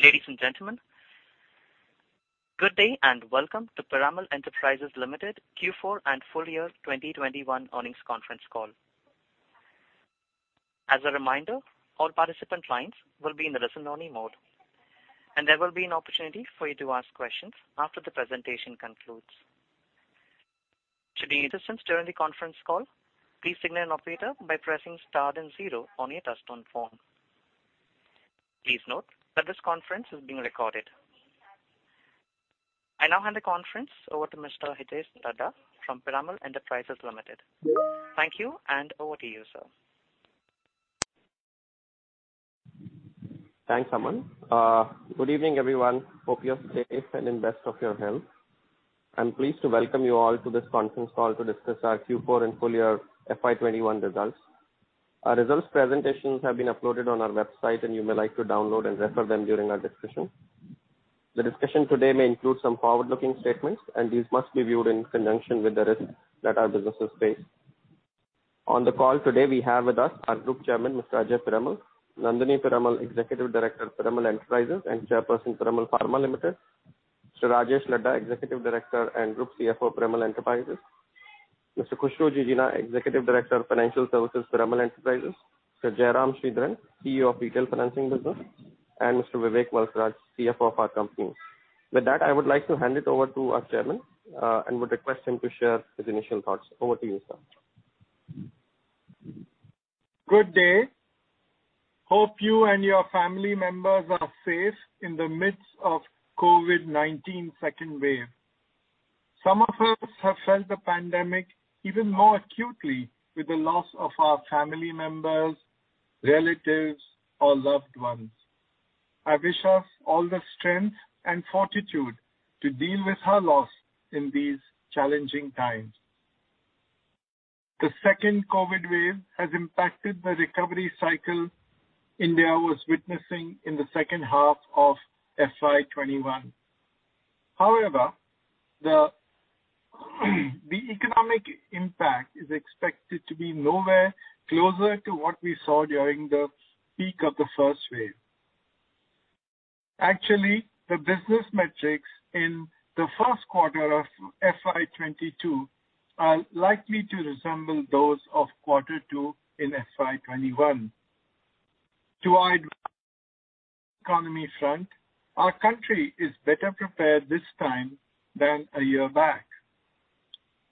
Ladies and gentlemen, good day and welcome to Piramal Enterprises Limited Q4 and Full Year 2021 Earnings Conference Call. As a reminder, all participant lines will be in the listen only mode, and there will be an opportunity for you to ask questions after the presentation concludes. Should you need assistance during the conference call, please signal an operator by pressing star and zero on your touchtone phone. Please note that this conference is being recorded. I now hand the conference over to Mr. Hitesh Dhaddha from Piramal Enterprises Limited. Thank you, and over to you, sir. Thanks, Aman. Good evening, everyone. Hope you're safe and in best of your health. I am pleased to welcome you all to this conference call to discuss our Q4 and full year FY 2021 results. Our results presentations have been uploaded on our website and you may like to download and refer them during our discussion. The discussion today may include some forward-looking statements. These must be viewed in conjunction with the risks that our businesses face. On the call today, we have with us our Group Chairman, Mr. Ajay Piramal, Nandini Piramal, Executive Director of Piramal Enterprises and Chairperson, Piramal Pharma Limited. Mr. Rajesh Laddha, Executive Director and Group CFO, Piramal Enterprises. Mr. Khushru Jijina, Executive Director of Financial Services, Piramal Enterprises. Mr. Jairam Sridharan, CEO of Retail Financing Business, and Mr. Vivek Valsaraj, CFO of our company. With that, I would like to hand it over to our chairman, and would request him to share his initial thoughts. Over to you, sir. Good day. Hope you and your family members are safe in the midst of COVID-19 second wave. Some of us have felt the pandemic even more acutely with the loss of our family members, relatives or loved ones. I wish us all the strength and fortitude to deal with our loss in these challenging times. The second COVID wave has impacted the recovery cycle India was witnessing in the H2 of FY 2021. The economic impact is expected to be nowhere closer to what we saw during the peak of the first wave. Actually, the business metrics in the Q1 of FY 2022 are likely to resemble those of quarter two in FY 2021. To our economy front, our country is better prepared this time than a year back.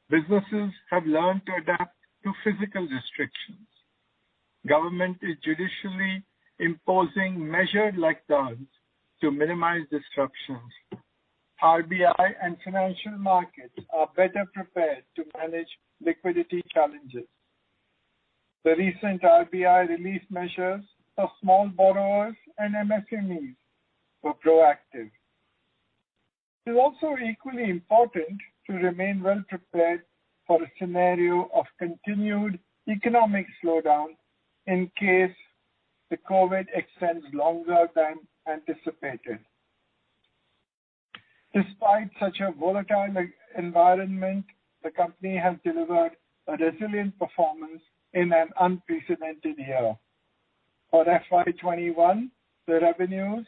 Businesses have learned to adapt to physical restrictions. Government is judiciously imposing measured lockdowns to minimize disruptions. RBI and financial markets are better prepared to manage liquidity challenges. The recent RBI relief measures for small borrowers and MSMEs were proactive. It is also equally important to remain well prepared for a scenario of continued economic slowdown in case the COVID-19 extends longer than anticipated. Despite such a volatile environment, the company has delivered a resilient performance in an unprecedented year. For FY 2021, the revenues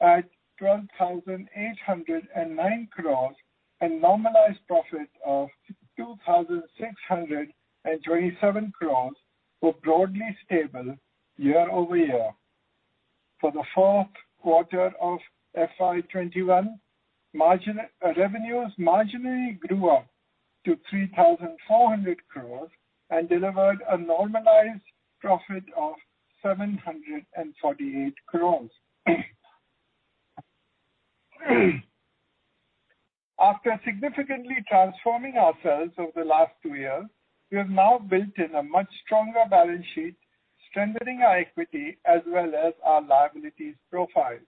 at 12,809 croresss and normalized profit of 2,627 croresss were broadly stable year-over-year. For the Q4 of FY 2021, revenues marginally grew up to 3,400 croresss and delivered a normalized profit of 748 croresss. After significantly transforming ourselves over the last two years, we have now built in a much stronger balance sheet, strengthening our equity as well as our liabilities profile.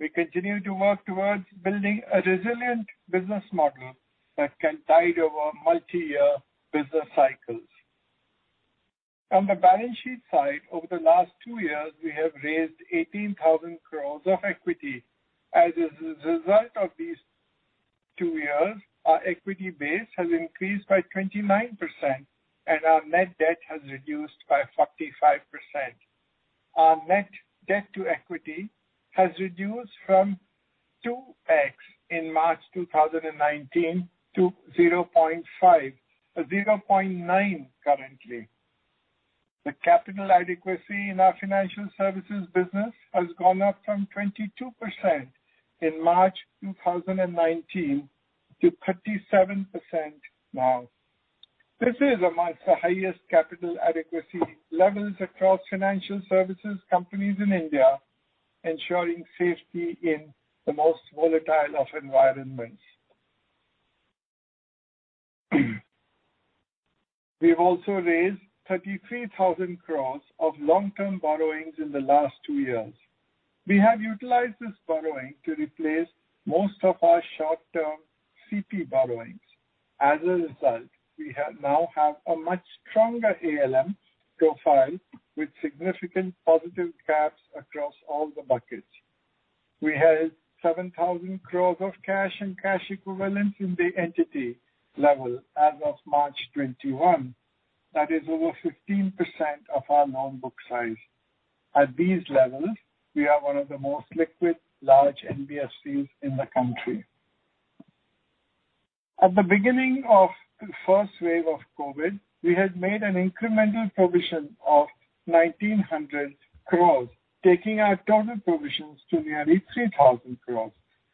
We continue to work towards building a resilient business model that can tide over multi-year business cycles. On the balance sheet side, over the last two years, we have raised 18,000 croress of equity. As a result of these two years, our equity base has increased by 29% and our net debt has reduced by 45%. Our net debt to equity has reduced from 2x in March 2019 to 0.9 currently. The capital adequacy in our financial services business has gone up from 22% in March 2019 to 37% now. This is amongst the highest capital adequacy levels across financial services companies in India, ensuring safety in the most volatile of environments. We've also raised 33,000 croress of long-term borrowings in the last two years. We have utilized this borrowing to replace most of our short-term CP borrowings. As a result, we now have a much stronger ALM profile with significant positive gaps across all the buckets. We had 7,000 croresss of cash and cash equivalents in the entity level as of March 2021. That is over 15% of our non-book size. At these levels, we are one of the most liquid large NBFCs in the country. At the beginning of the first wave of COVID, we had made an incremental provision of 1,900 croresss, taking our total provisions to nearly 3,000 croresss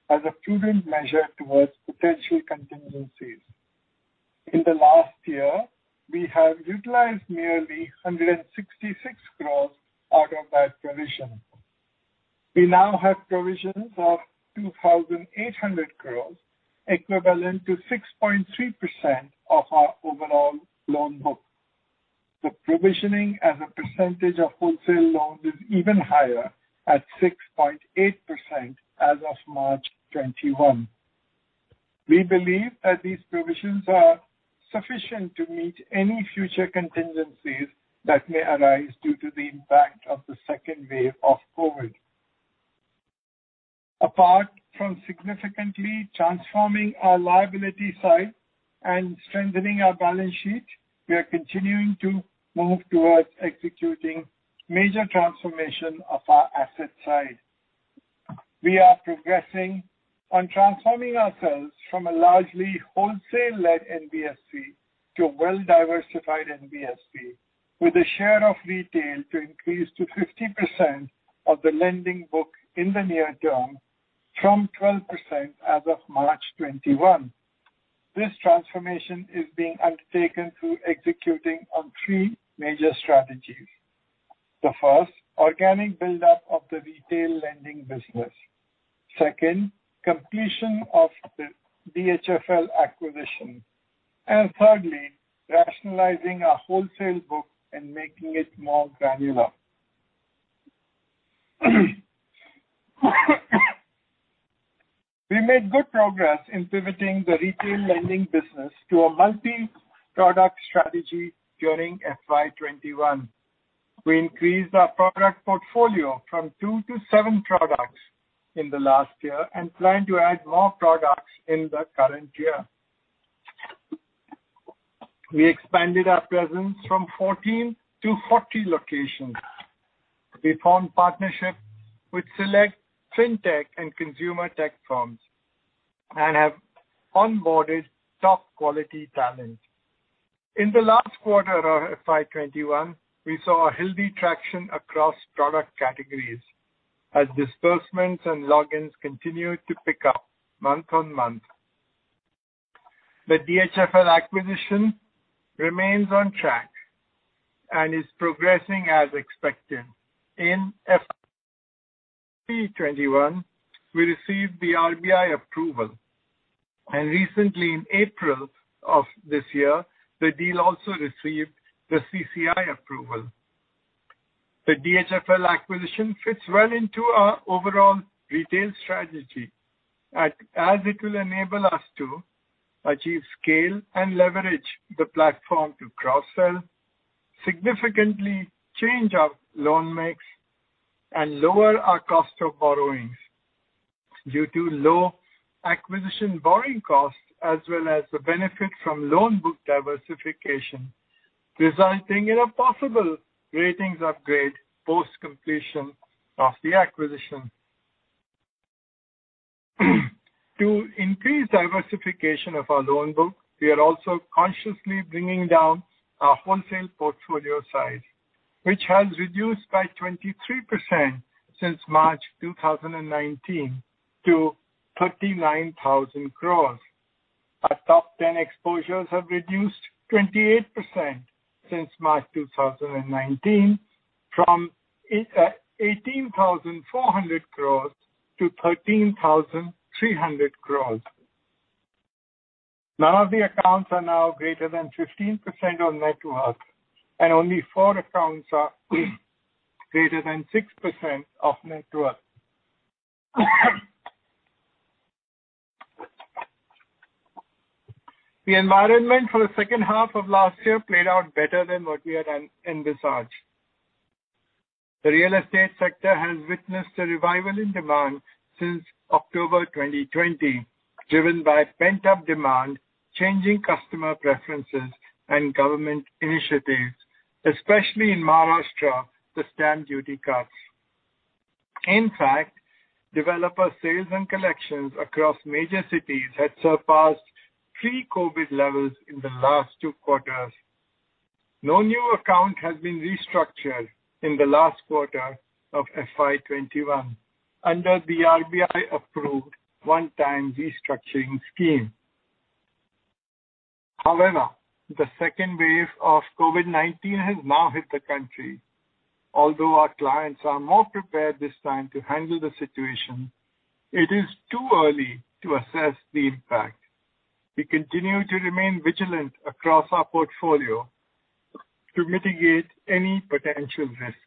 as a prudent measure towards potential contingencies. In the last year, we have utilized nearly 166 croresss out of that provision. We now have provisions of 2,800 croresss, equivalent to 6.3% of our overall loan book. The provisioning as a percentage of wholesale loans is even higher at 6.8% as of March 2021. We believe that these provisions are sufficient to meet any future contingencies that may arise due to the impact of the second wave of COVID. Apart from significantly transforming our liability side and strengthening our balance sheet, we are continuing to move towards executing major transformation of our asset side. We are progressing on transforming ourselves from a largely wholesale-led NBFC to a well-diversified NBFC with a share of retail to increase to 50% of the lending book in the near term from 12% as of March 2021. This transformation is being undertaken through executing on three major strategies. The first, organic buildup of the retail lending business. Second, completion of the DHFL acquisition. Thirdly, rationalizing our wholesale book and making it more granular. We made good progress in pivoting the retail lending business to a multi-product strategy during FY 2021. We increased our product portfolio from two to seven products in the last year and plan to add more products in the current year. We expanded our presence from 14 to 40 locations. We formed partnerships with select fintech and consumer tech firms and have onboarded top quality talent. In the last quarter of FY 2021, we saw a healthy traction across product categories as disbursements and logins continued to pick up month-on-month. The DHFL acquisition remains on track and is progressing as expected. In FY 2021, we received the RBI approval, and recently in April of this year, the deal also received the CCI approval. The DHFL acquisition fits well into our overall retail strategy, as it will enable us to achieve scale and leverage the platform to cross-sell, significantly change our loan mix, and lower our cost of borrowings due to low acquisition borrowing costs, as well as the benefit from loan book diversification, resulting in a possible ratings upgrade post completion of the acquisition. To increase diversification of our loan book, we are also consciously bringing down our wholesale portfolio size, which has reduced by 23% since March 2019 to 39,000 croresss. Our top 10 exposures have reduced 28% since March 2019 from 18,400 croresss to 13,300 croresss. None of the accounts are now greater than 15% of net worth, and only four accounts are greater than 6% of net worth. The environment for the H2 of last year played out better than what we had envisaged. The real estate sector has witnessed a revival in demand since October 2020, driven by pent-up demand, changing customer preferences, and government initiatives, especially in Maharashtra, the stamp duty cuts. In fact, developer sales and collections across major cities had surpassed pre-COVID levels in the last two quarters. No new account has been restructured in the last quarter of FY 2021 under the RBI-approved one-time restructuring scheme. However, the second wave of COVID-19 has now hit the country. Although our clients are more prepared this time to handle the situation, it is too early to assess the impact. We continue to remain vigilant across our portfolio to mitigate any potential risks.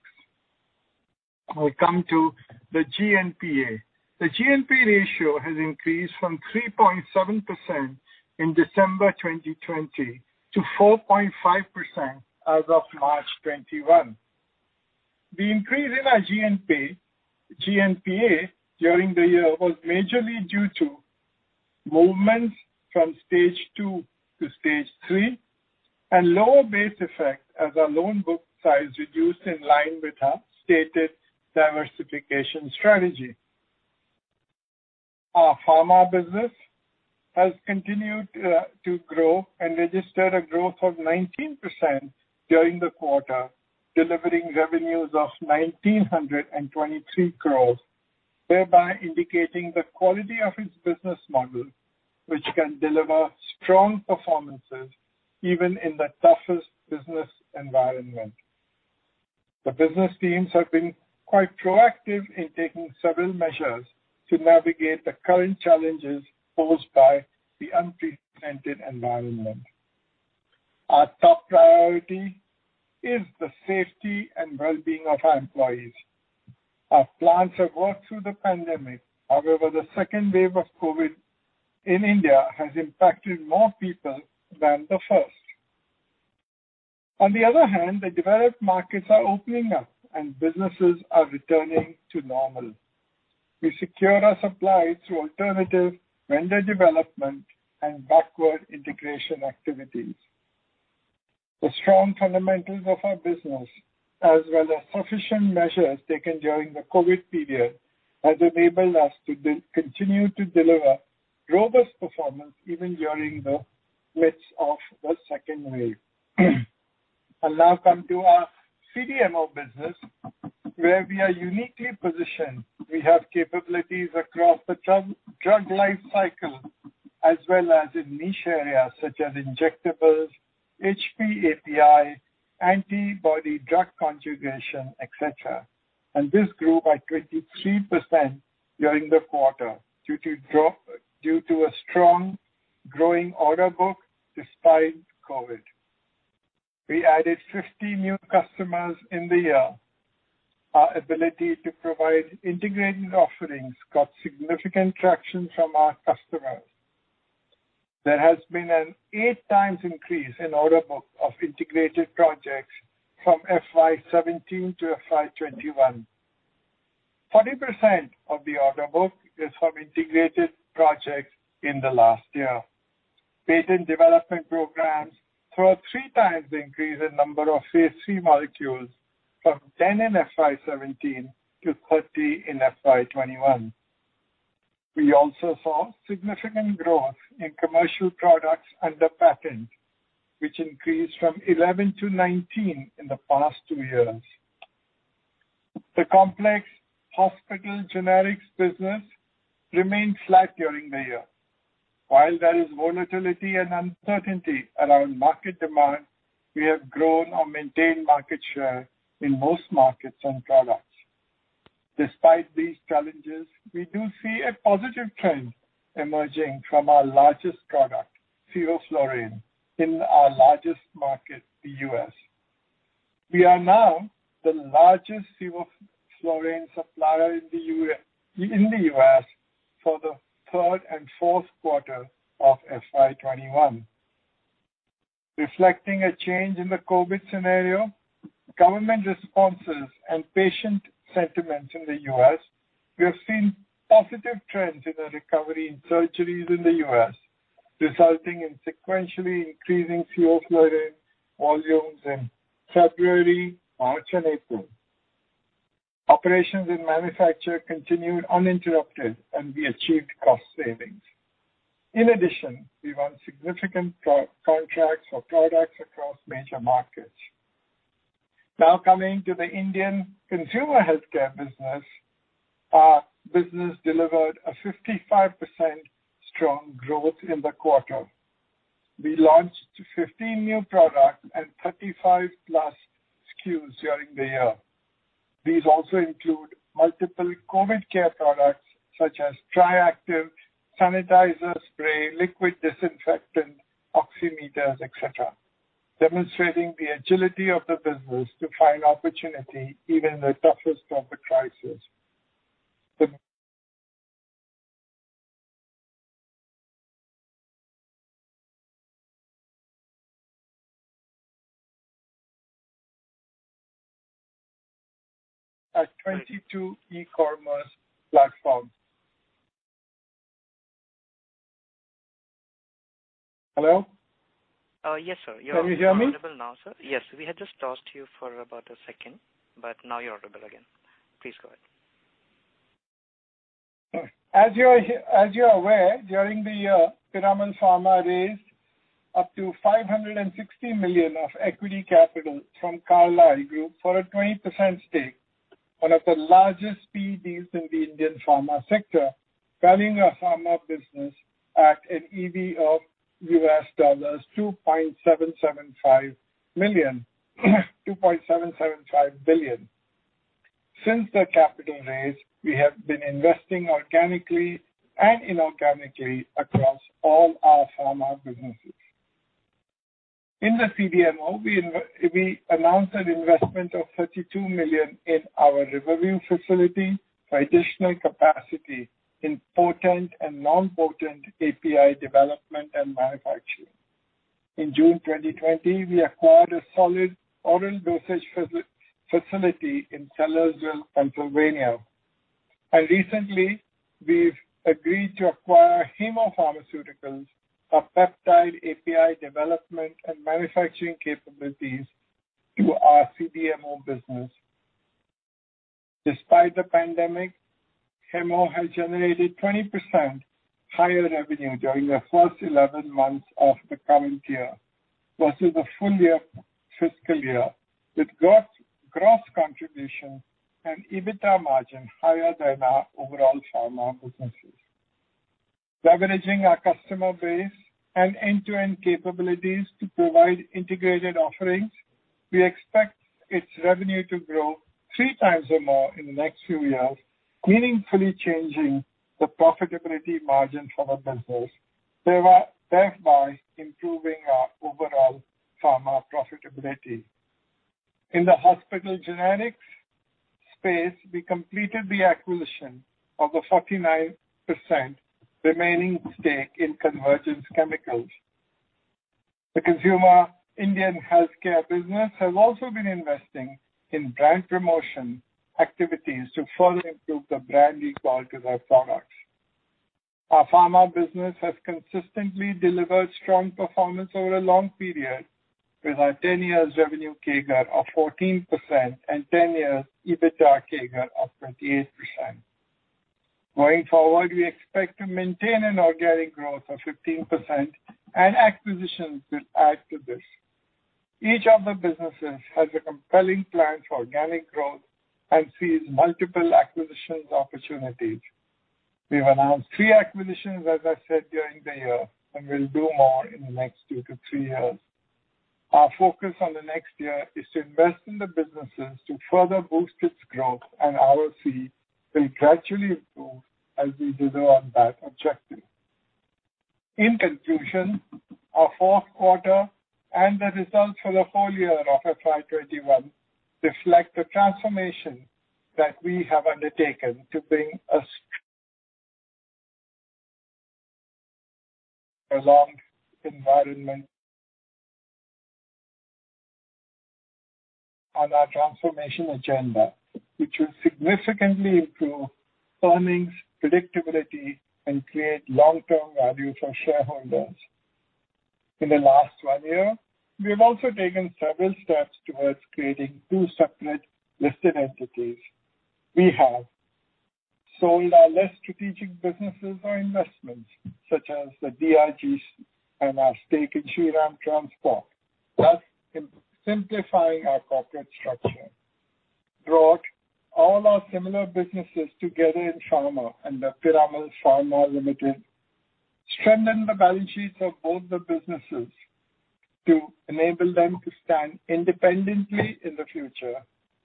I come to the GNPA. The GNPA ratio has increased from 3.7% in December 2020 to 4.5% as of March 2021. The increase in our GNPA during the year was majorly due to movements from stage two to stage three and lower base effect as our loan book size reduced in line with our stated diversification strategy. Our pharma business has continued to grow and registered a growth of 19% during the quarter, delivering revenues of 1,923 croresss, thereby indicating the quality of its business model, which can deliver strong performances even in the toughest business environment. The business teams have been quite proactive in taking several measures to navigate the current challenges posed by the unprecedented environment. Our top priority is the safety and well-being of our employees. Our plants have worked through the pandemic. The second wave of COVID-19 in India has impacted more people than the first. On the other hand, the developed markets are opening up and businesses are returning to normal. We secure our supply through alternative vendor development and backward integration activities. The strong fundamentals of our business, as well as sufficient measures taken during the COVID period, has enabled us to continue to deliver robust performance even during the midst of the second wave. I'll now come to our CDMO business, where we are uniquely positioned. We have capabilities across the drug life cycle as well as in niche areas such as injectables, HPAPI, antibody drug conjugation, et cetera. This grew by 23% during the quarter due to a strong growing order book despite COVID. We added 50 new customers in the year. Our ability to provide integrated offerings got significant traction from our customers. There has been an eight times increase in order book of integrated projects from FY 2017 to FY 2021. 40% of the order book is from integrated projects in the last year. Patent development programs saw a three times increase in number of phase III molecules from 10 in FY 2017 to 30 in FY 2021. We also saw significant growth in commercial products under patent, which increased from 11 to 19 in the past two years. The complex hospital generics business remained flat during the year. There is volatility and uncertainty around market demand, we have grown or maintained market share in most markets and products. Despite these challenges, we do see a positive trend emerging from our largest product, furosemide, in our largest market, the U.S. We are now the largest furosemide supplier in the U.S. for the third and Q4 of FY 2021. Reflecting a change in the COVID-19 scenario, government responses, and patient sentiments in the U.S., we have seen positive trends in the recovery in surgeries in the U.S., resulting in sequentially increasing furosemide volumes in February, March, and April. Operations and manufacture continued uninterrupted, and we achieved cost savings. In addition, we won significant contracts for products across major markets. Now coming to the Indian consumer healthcare business. Our business delivered a 55% strong growth in the quarter. We launched 15 new products and 35 plus SKUs during the year. These also include multiple COVID-19 care products such as Tri-Activ sanitizer spray, liquid disinfectant, oximeters, et cetera, demonstrating the agility of the business to find opportunity even in the toughest of the crisis. At 22 e-commerce platforms. Hello? Yes, sir. Can you hear me? audible now, sir. Yes. We had just lost you for about a second, but now you're audible again. Please go ahead. As you're aware, during the year, Piramal Pharma raised up to $560 million of equity capital from Carlyle Group for a 20% stake, one of the largest PE deals in the Indian pharma sector, valuing our pharma business at an EV of US $2.775 billion. Since the capital raise, we have been investing organically and inorganically across all our pharma businesses. In the CDMO, we announced an investment of $32 million in our Riverview facility for additional capacity in potent and non-potent API development and manufacturing. In June 2020, we acquired a solid oral dosage facility in Sellersville, Pennsylvania. Recently, we've agreed to acquire Hemmo Pharmaceuticals for peptide API development and manufacturing capabilities to our CDMO business. Despite the pandemic, Hemmo has generated 20% higher revenue during the first 11 months of the current year versus the full year fiscal year, with gross contribution and EBITDA margin higher than our overall pharma businesses. Leveraging our customer base and end-to-end capabilities to provide integrated offerings, we expect its revenue to grow three times or more in the next few years, meaningfully changing the profitability margin for the business, thereby improving our overall pharma profitability. In the hospital genetics space, we completed the acquisition of the 49% remaining stake in Convergence Chemicals. The consumer Indian healthcare business has also been investing in brand promotion activities to further improve the brand equity of our products. Our pharma business has consistently delivered strong performance over a long period, with our 10 years revenue CAGR of 14% and 10 years EBITDA CAGR of 28%. Going forward, we expect to maintain an organic growth of 15%, and acquisitions will add to this. Each of the businesses has a compelling plan for organic growth and sees multiple acquisitions opportunities. We've announced three acquisitions, as I said, during the year, and we'll do more in the next two to three years. Our focus on the next year is to invest in the businesses to further boost its growth, and ROC will gradually improve as we deliver on that objective. In conclusion, our Q4 and the results for the full year of FY 2021 reflect the transformation that we have undertaken to bring us a long environment on our transformation agenda, which will significantly improve earnings predictability and create long-term value for shareholders. In the last one year, we have also taken several steps towards creating two separate listed entities. We have sold our less strategic businesses or investments, such as the DRG and our stake in Shriram Transport, thus simplifying our corporate structure. We have brought all our similar businesses together in pharma under Piramal Pharma Limited. We have strengthened the balance sheets of both the businesses to enable them to stand independently in the future,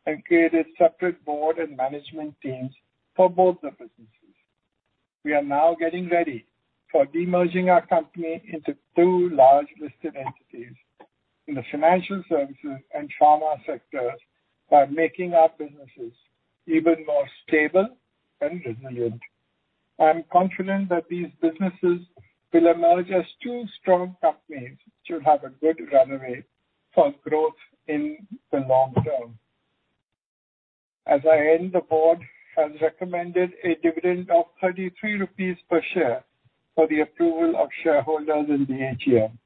and created separate board and management teams for both the businesses. We are now getting ready for demerging our company into two large listed entities in the financial services and pharma sectors by making our businesses even more stable and resilient. I'm confident that these businesses will emerge as two strong companies, which should have a good runway for growth in the long term. As I end, the board has recommended a dividend of 33 rupees per share for the approval of shareholders in the AGM.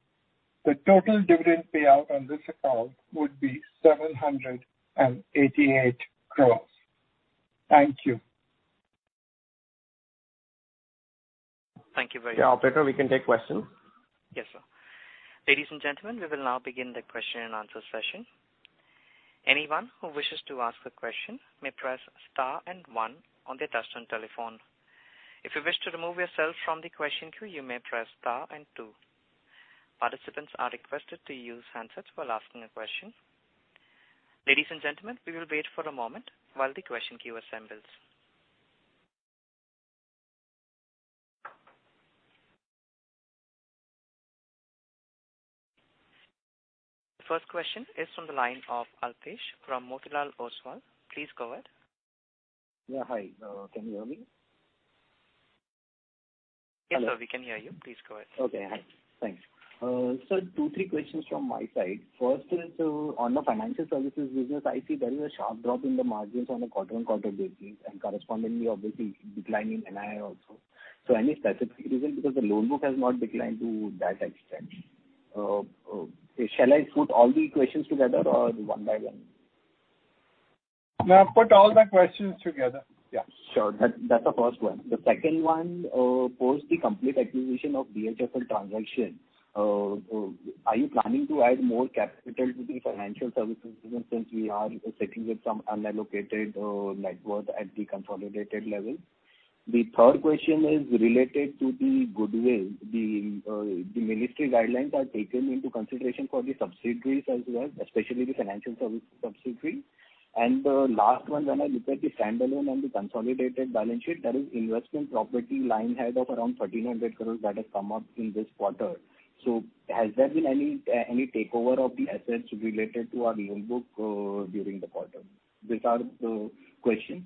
The total dividend payout on this account would be 788 croresss. Thank you. Thank you very much. Yeah, operator, we can take questions. Yes, sir. Ladies and gentlemen, we will now begin the question and answer session. Anyone who wishes to ask a question may press star and one on their touchtone telephone. If you wish to remove yourself from the question queue, you may press star and two. Participants are requested to use handsets while asking a question. Ladies and gentlemen, we will wait for a moment while the question queue assembles. The first question is from the line of Alpesh from Motilal Oswal. Please go ahead. Yeah, hi. Can you hear me? Yes, sir, we can hear you. Please go ahead. Okay. Hi. Thanks. Sir, two, three questions from my side. First is on the financial services business. I see there is a sharp drop in the margins on a quarter-on-quarter basis, and correspondingly, obviously, decline in NII also. Any specific reason? Because the loan book has not declined to that extent. Shall I put all the questions together or one by one? No, put all the questions together. Yeah. Sure. That's the first one. The second one, post the complete acquisition of DHFL transaction, are you planning to add more capital to the financial services business since we are sitting with some unallocated net worth at the consolidated level? The third question is related to the goodwill. The ministry guidelines are taken into consideration for the subsidiaries as well, especially the financial service subsidiary. The last one, when I look at the standalone and the consolidated balance sheet, there is investment property line head of around 1,300 croress that has come up in this quarter. Has there been any takeover of the assets related to our loan book during the quarter? These are the questions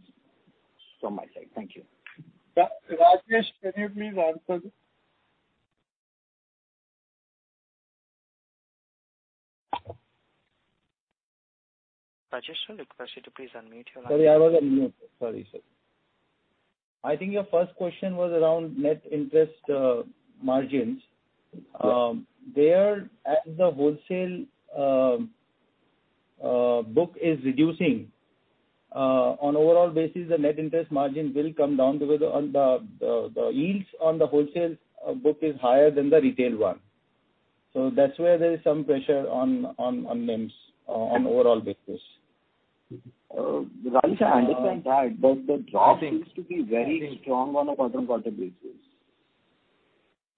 from my side. Thank you. Rajesh, can you please answer? Rajesh, would request you to please unmute your line. Sorry, I was on mute. Sorry, sir. I think your first question was around net interest margins. Yes. There, as the wholesale book is reducing, on an overall basis, the net interest margin will come down because the yields on the wholesale book is higher than the retail one. That's where there is some pressure on NIMs on an overall basis. Rajesh, I understand that. The drop seems to be very strong on a quarter-on-quarter basis.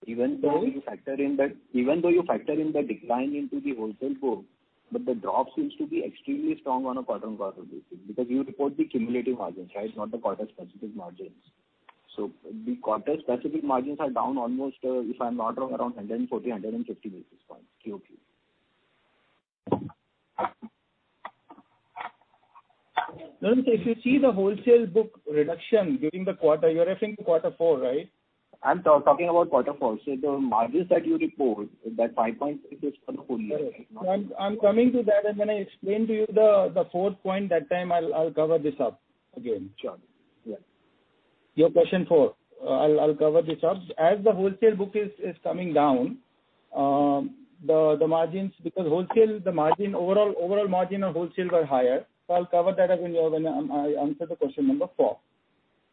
Even though you factor in the decline into the wholesale book, the drop seems to be extremely strong on a quarter-on-quarter basis because you report the cumulative margins, right? Not the quarter-specific margins. The quarter-specific margins are down almost, if I'm not wrong, around 140, 150 basis points, QOQ. If you see the wholesale book reduction during the quarter, you're referring to quarter four, right? I'm talking about quarter four. The margins that you report, that 5.6 is for the full year. I'm coming to that and when I explain to you the fourth point, that time I'll cover this up again. Sure. Yeah. Your question four, I'll cover this up. As the wholesale book is coming down, because the overall margin of wholesale were higher. I'll cover that up when I answer the question number four.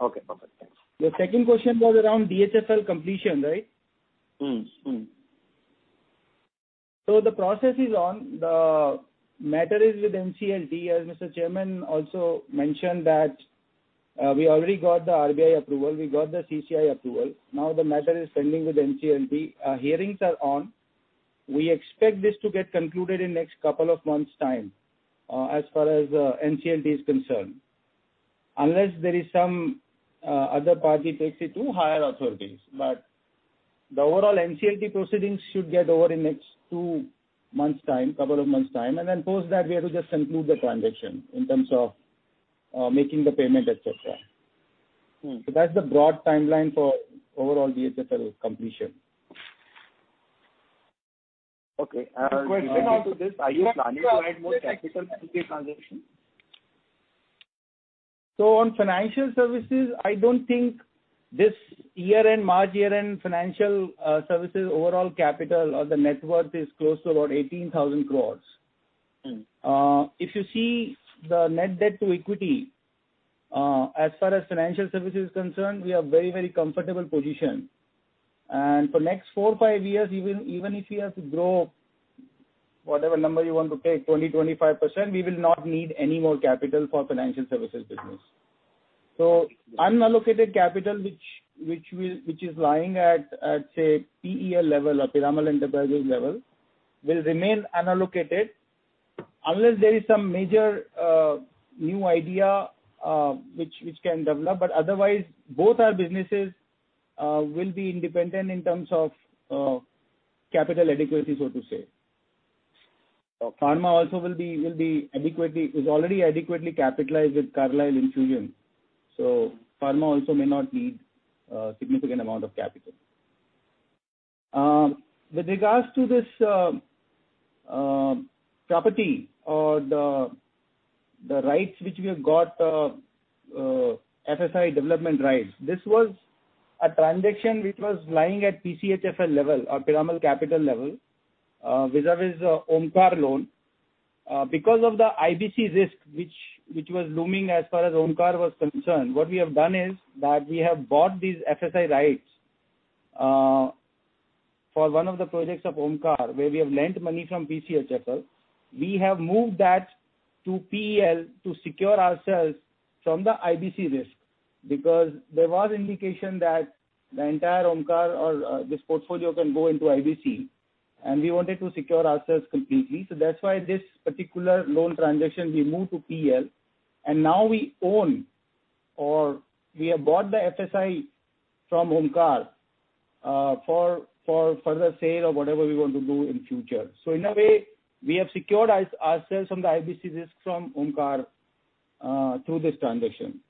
Okay. Thanks. Your second question was around DHFL completion, right? The process is on. The matter is with NCLT. As Mr. Chairman also mentioned that we already got the RBI approval, we got the CCI approval. The matter is pending with NCLT. Hearings are on. We expect this to get concluded in next couple of months' time, as far as NCLT is concerned. Unless there is some other party takes it to higher authorities. The overall NCLT proceedings should get over in next two months' time, couple of months' time, and then post that, we have to just conclude the transaction in terms of making the payment, et cetera. That's the broad timeline for overall DHFL completion. Okay. A question on to this, are you planning to add more capital for the transaction? On financial services, I don't think this March year-end, financial services overall capital or the net worth is close to about 18,000 croresss. If you see the net debt to equity, as far as financial services is concerned, we are very comfortable position. For next four, five years, even if we have to grow whatever number you want to take, 20%, 25%, we will not need any more capital for financial services business. Unallocated capital, which is lying at, say, PEL level or Piramal Enterprises level, will remain unallocated unless there is some major new idea which can develop. Otherwise, both our businesses will be independent in terms of capital adequacy, so to say. Pharma also is already adequately capitalized with Carlyle infusion. Pharma also may not need a significant amount of capital. With regards to this property or the rights which we have got, FSI development rights. This was a transaction which was lying at PCHFL level or Piramal Capital level vis-a-vis the Omkar loan. Because of the IBC risk, which was looming as far as Omkar was concerned, what we have done is that we have bought these FSI rights for one of the projects of Omkar, where we have lent money from PCHFL. We have moved that to PEL to secure ourselves from the IBC risk because there was indication that the entire Omkar or this portfolio can go into IBC, and we wanted to secure ourselves completely. That's why this particular loan transaction we moved to PEL and now we own or we have bought the FSI from Omkar for further sale or whatever we want to do in future. In a way, we have secured ourselves from the IBC risk from Omkar through this transaction.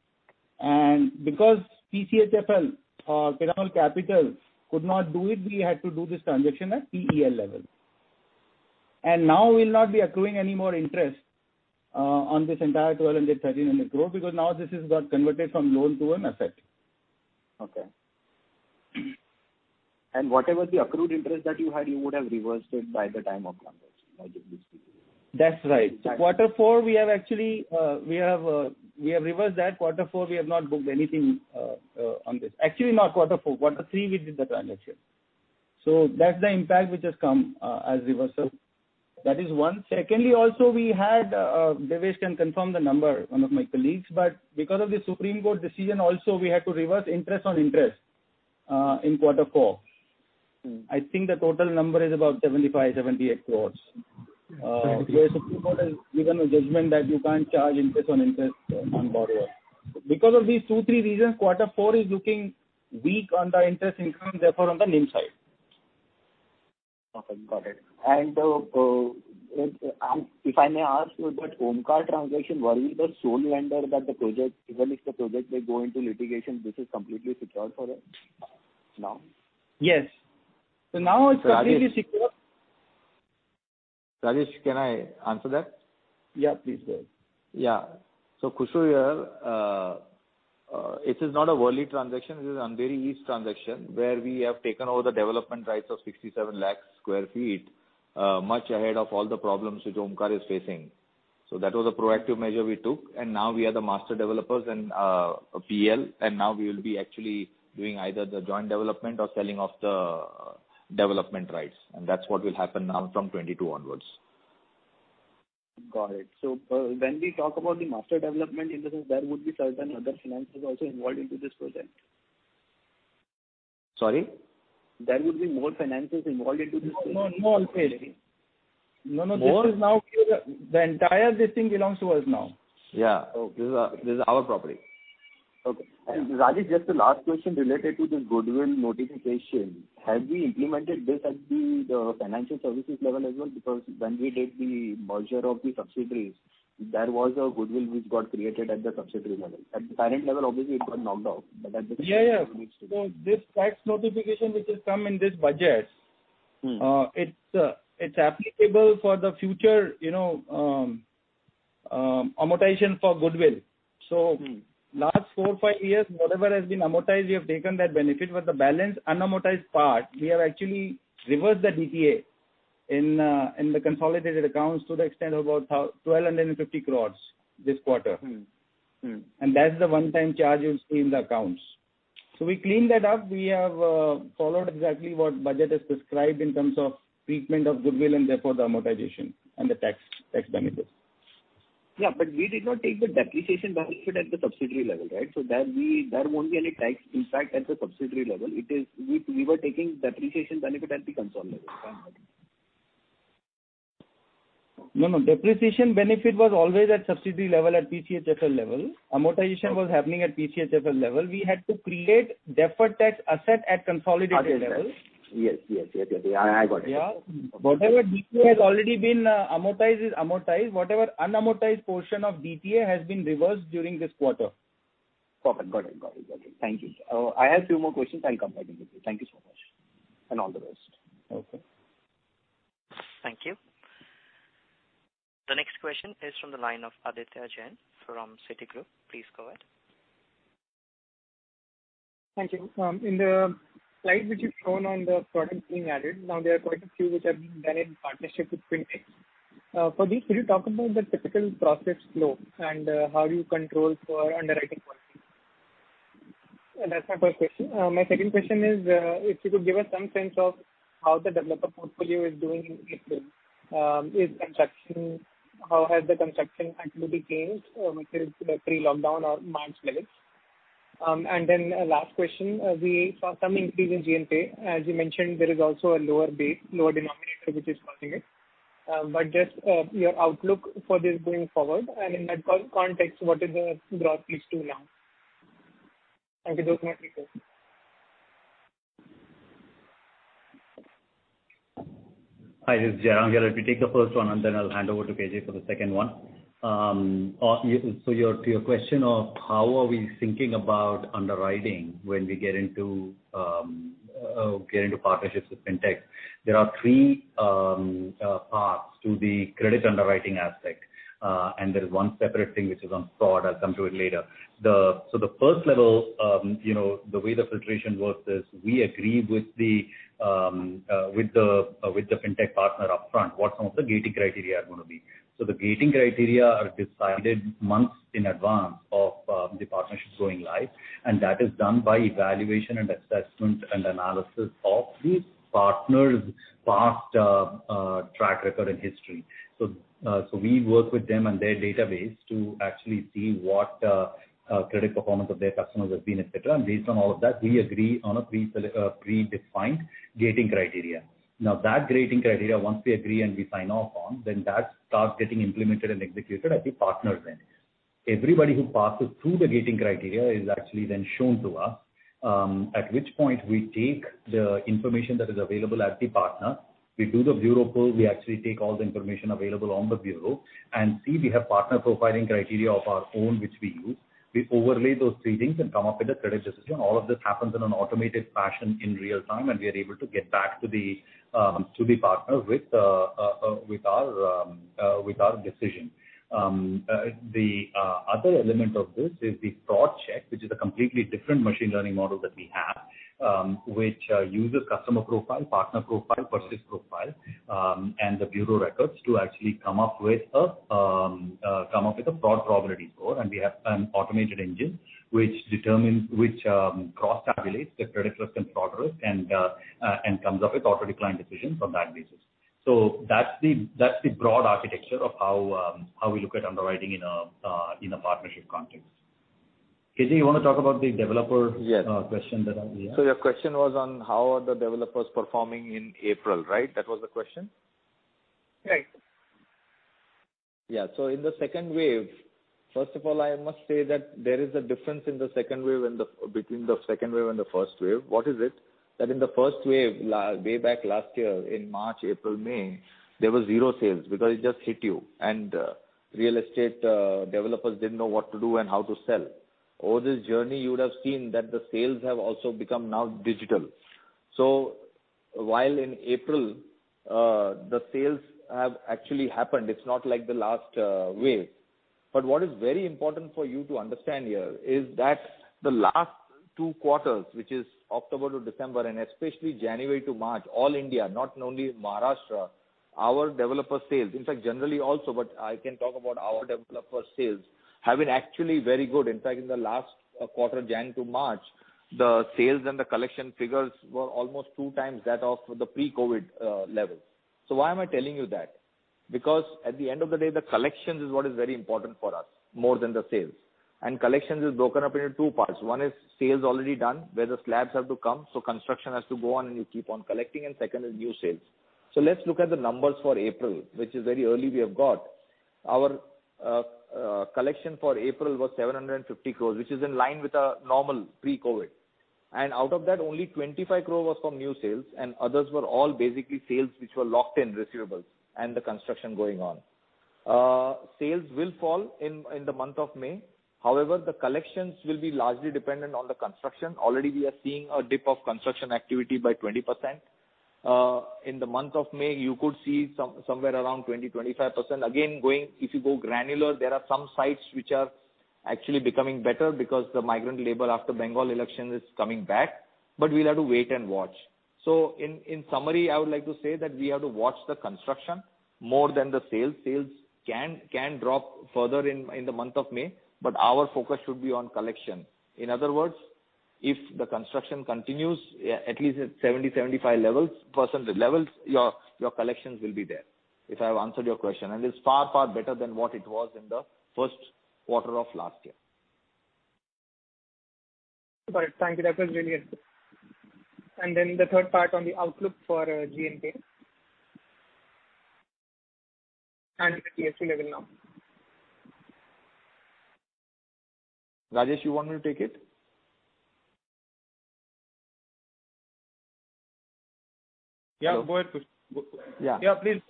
Because PCHFL or Piramal Capital could not do it, we had to do this transaction at PEL level. Now we'll not be accruing any more interest on this entire inr 1,200 croress-inr 1,300 croress because now this has got converted from loan to an asset. Okay. Whatever the accrued interest that you had, you would have reversed it by the time of numbers. That's right. Quarter four, we have reversed that. Quarter four, we have not booked anything on this. Actually, not quarter four, quarter three we did the transaction. That's the impact which has come as reversal. That is one. Secondly, also we had, Devesh can confirm the number, one of my colleagues, because of the Supreme Court decision also, we had to reverse interest on interest in quarter four. I think the total number is about inr 75 croress, inr 78 croress. Where Supreme Court has given a judgment that you can't charge interest on interest on borrower. Because of these two, three reasons, quarter four is looking weak on the interest income, therefore on the NIM side. Okay, got it. If I may ask you, that Omkar transaction, were we the sole lender that the project, even if the project may go into litigation, this is completely secured for us now? Yes. Now it's completely secure. Rajesh, can I answer that? Yeah, please do. Yeah. Khushru here. It is not a Worli transaction. This is Andheri East transaction, where we have taken over the development rights of 67 lakh sq ft, much ahead of all the problems which Omkar is facing. That was a proactive measure we took, and now we are the master developers and PL, and now we will be actually doing either the joint development or selling off the development rights, and that's what will happen now from 2022 onwards. Got it. When we talk about the master development in the sense, there would be certain other finances also involved into this project. Sorry? There would be more finances involved into this project. No, not at all. More? No, the entire this thing belongs to us now. Yeah. This is our property. Okay. Rajesh, just a last question related to this goodwill notification. Have we implemented this at the financial services level as well? When we take the merger of the subsidiaries, there was a goodwill which got created at the subsidiary level. At the parent level, obviously, it got knocked off, but at the. Yeah. this tax notification, which has come in this budget. It's applicable for the future amortization for goodwill. Last four, five years, whatever has been amortized, we have taken that benefit. The balance unamortized part, we have actually reversed the DTA in the consolidated accounts to the extent of about 1,250 croresss this quarter. That's the one-time charge you'll see in the accounts. We cleaned that up. We have followed exactly what Budget is prescribed in terms of treatment of goodwill and therefore the amortization and the tax benefits. Yeah, we did not take the depreciation benefit at the subsidiary level, right? There won't be any tax impact at the subsidiary level. We were taking depreciation benefit at the consol level, correct? No, depreciation benefit was always at subsidiary level, at PCHFL level. Amortization was happening at PCHFL level. We had to create deferred tax asset at consolidated level. Yes. I got it. Whatever DTA has already been amortized, is amortized. Whatever unamortized portion of DTA has been reversed during this quarter. Perfect. Got it. Thank you. I have two more questions. I'll come back into it. Thank you so much. All the best. Okay. Thank you. The next question is from the line of Aditya Jain from Citigroup. Please go ahead. Thank you. In the slide which you've shown on the products being added, now there are quite a few which have been done in partnership with FinTech. For these, could you talk about the typical process flow and how you control for underwriting policy? That's my first question. My second question is, if you could give us some sense of how the developer portfolio is doing in April. How has the construction activity changed with respect to the pre-lockdown or March levels? Last question, we saw some increase in GNPA. As you mentioned, there is also a lower base, lower denominator, which is causing it. Just your outlook for this going forward, and in that context, what is the drop at least till now? Thank you. Those are my three questions. Hi, this is Jairam here. Let me take the first one, then I'll hand over to KJ for the second one. Your question of how are we thinking about underwriting when we get into partnerships with FinTech, there are three parts to the credit underwriting aspect. There's one separate thing which is on fraud. I'll come to it later. The first level, the way the filtration works is, we agree with the FinTech partner upfront what some of the gating criteria are going to be. The gating criteria are decided months in advance of the partnership going live. That is done by evaluation and assessment and analysis of the partner's past track record and history. We work with them and their database to actually see what credit performance of their customers has been, et cetera, and based on all of that, we agree on a pre-defined gating criteria. That gating criteria, once we agree and we sign off on, then that starts getting implemented and executed at the partner's end. Everybody who passes through the gating criteria is actually then shown to us, at which point we take the information that is available at the partner. We do the bureau pull, we actually take all the information available on the bureau, and see we have partner profiling criteria of our own, which we use. We overlay those three things and come up with a credit decision. All of this happens in an automated fashion in real time, and we are able to get back to the partner with our decision. The other element of this is the fraud check, which is a completely different machine learning model that we have, which uses customer profile, partner profile, persist profile, and the bureau records to actually come up with a fraud probability score. We have an automated engine which cross-tabulates the credit risk and fraud risk and comes up with auto-decline decision from that basis. That's the broad architecture of how we look at underwriting in a partnership context. KJ, you want to talk about the developer. Yes. Question that I have? Your question was on how are the developers performing in April, right? That was the question? Right. Yeah. In the second wave, first of all, I must say that there is a difference between the second wave and the first wave. What is it? In the first wave, way back last year in March, April, May, there were zero sales because it just hit you, and real estate developers didn't know what to do and how to sell. Over this journey, you would have seen that the sales have also become now digital. While in April the sales have actually happened, it's not like the last wave. What is very important for you to understand here is that the last two quarters, which is October to December and especially January to March, all India, not only Maharashtra, our developer sales. In fact, generally also, I can talk about our developer sales, have been actually very good. In fact, in the last quarter, January to March, the sales and the collection figures were almost two times that of the pre-COVID levels. Why am I telling you that? Because at the end of the day, the collections is what is very important for us, more than the sales. Collections is broken up into two parts. One is sales already done, where the slabs have to come, so construction has to go on and you keep on collecting, and second is new sales. Let's look at the numbers for April, which is very early we have got. Our collection for April was 750 croresss, which is in line with our normal pre-COVID. Out of that, only 25 croresss was from new sales, and others were all basically sales which were locked in receivables and the construction going on. Sales will fall in the month of May. The collections will be largely dependent on the construction. Already we are seeing a dip of construction activity by 20%. In the month of May, you could see somewhere around 20%-25%. If you go granular, there are some sites which are actually becoming better because the migrant labor after Bengal election is coming back, but we'll have to wait and watch. In summary, I would like to say that we have to watch the construction more than the sales. Sales can drop further in the month of May, but our focus should be on collection. In other words, if the construction continues at least at 70%-75% levels, your collections will be there. If I have answered your question. It's far, far better than what it was in the Q1 of last year. Got it. Thank you. That was really helpful. The third part on the outlook for GNPA. The TS level now. Rajesh, you want me to take it? Yeah, go ahead, please. Yeah. Yeah, please.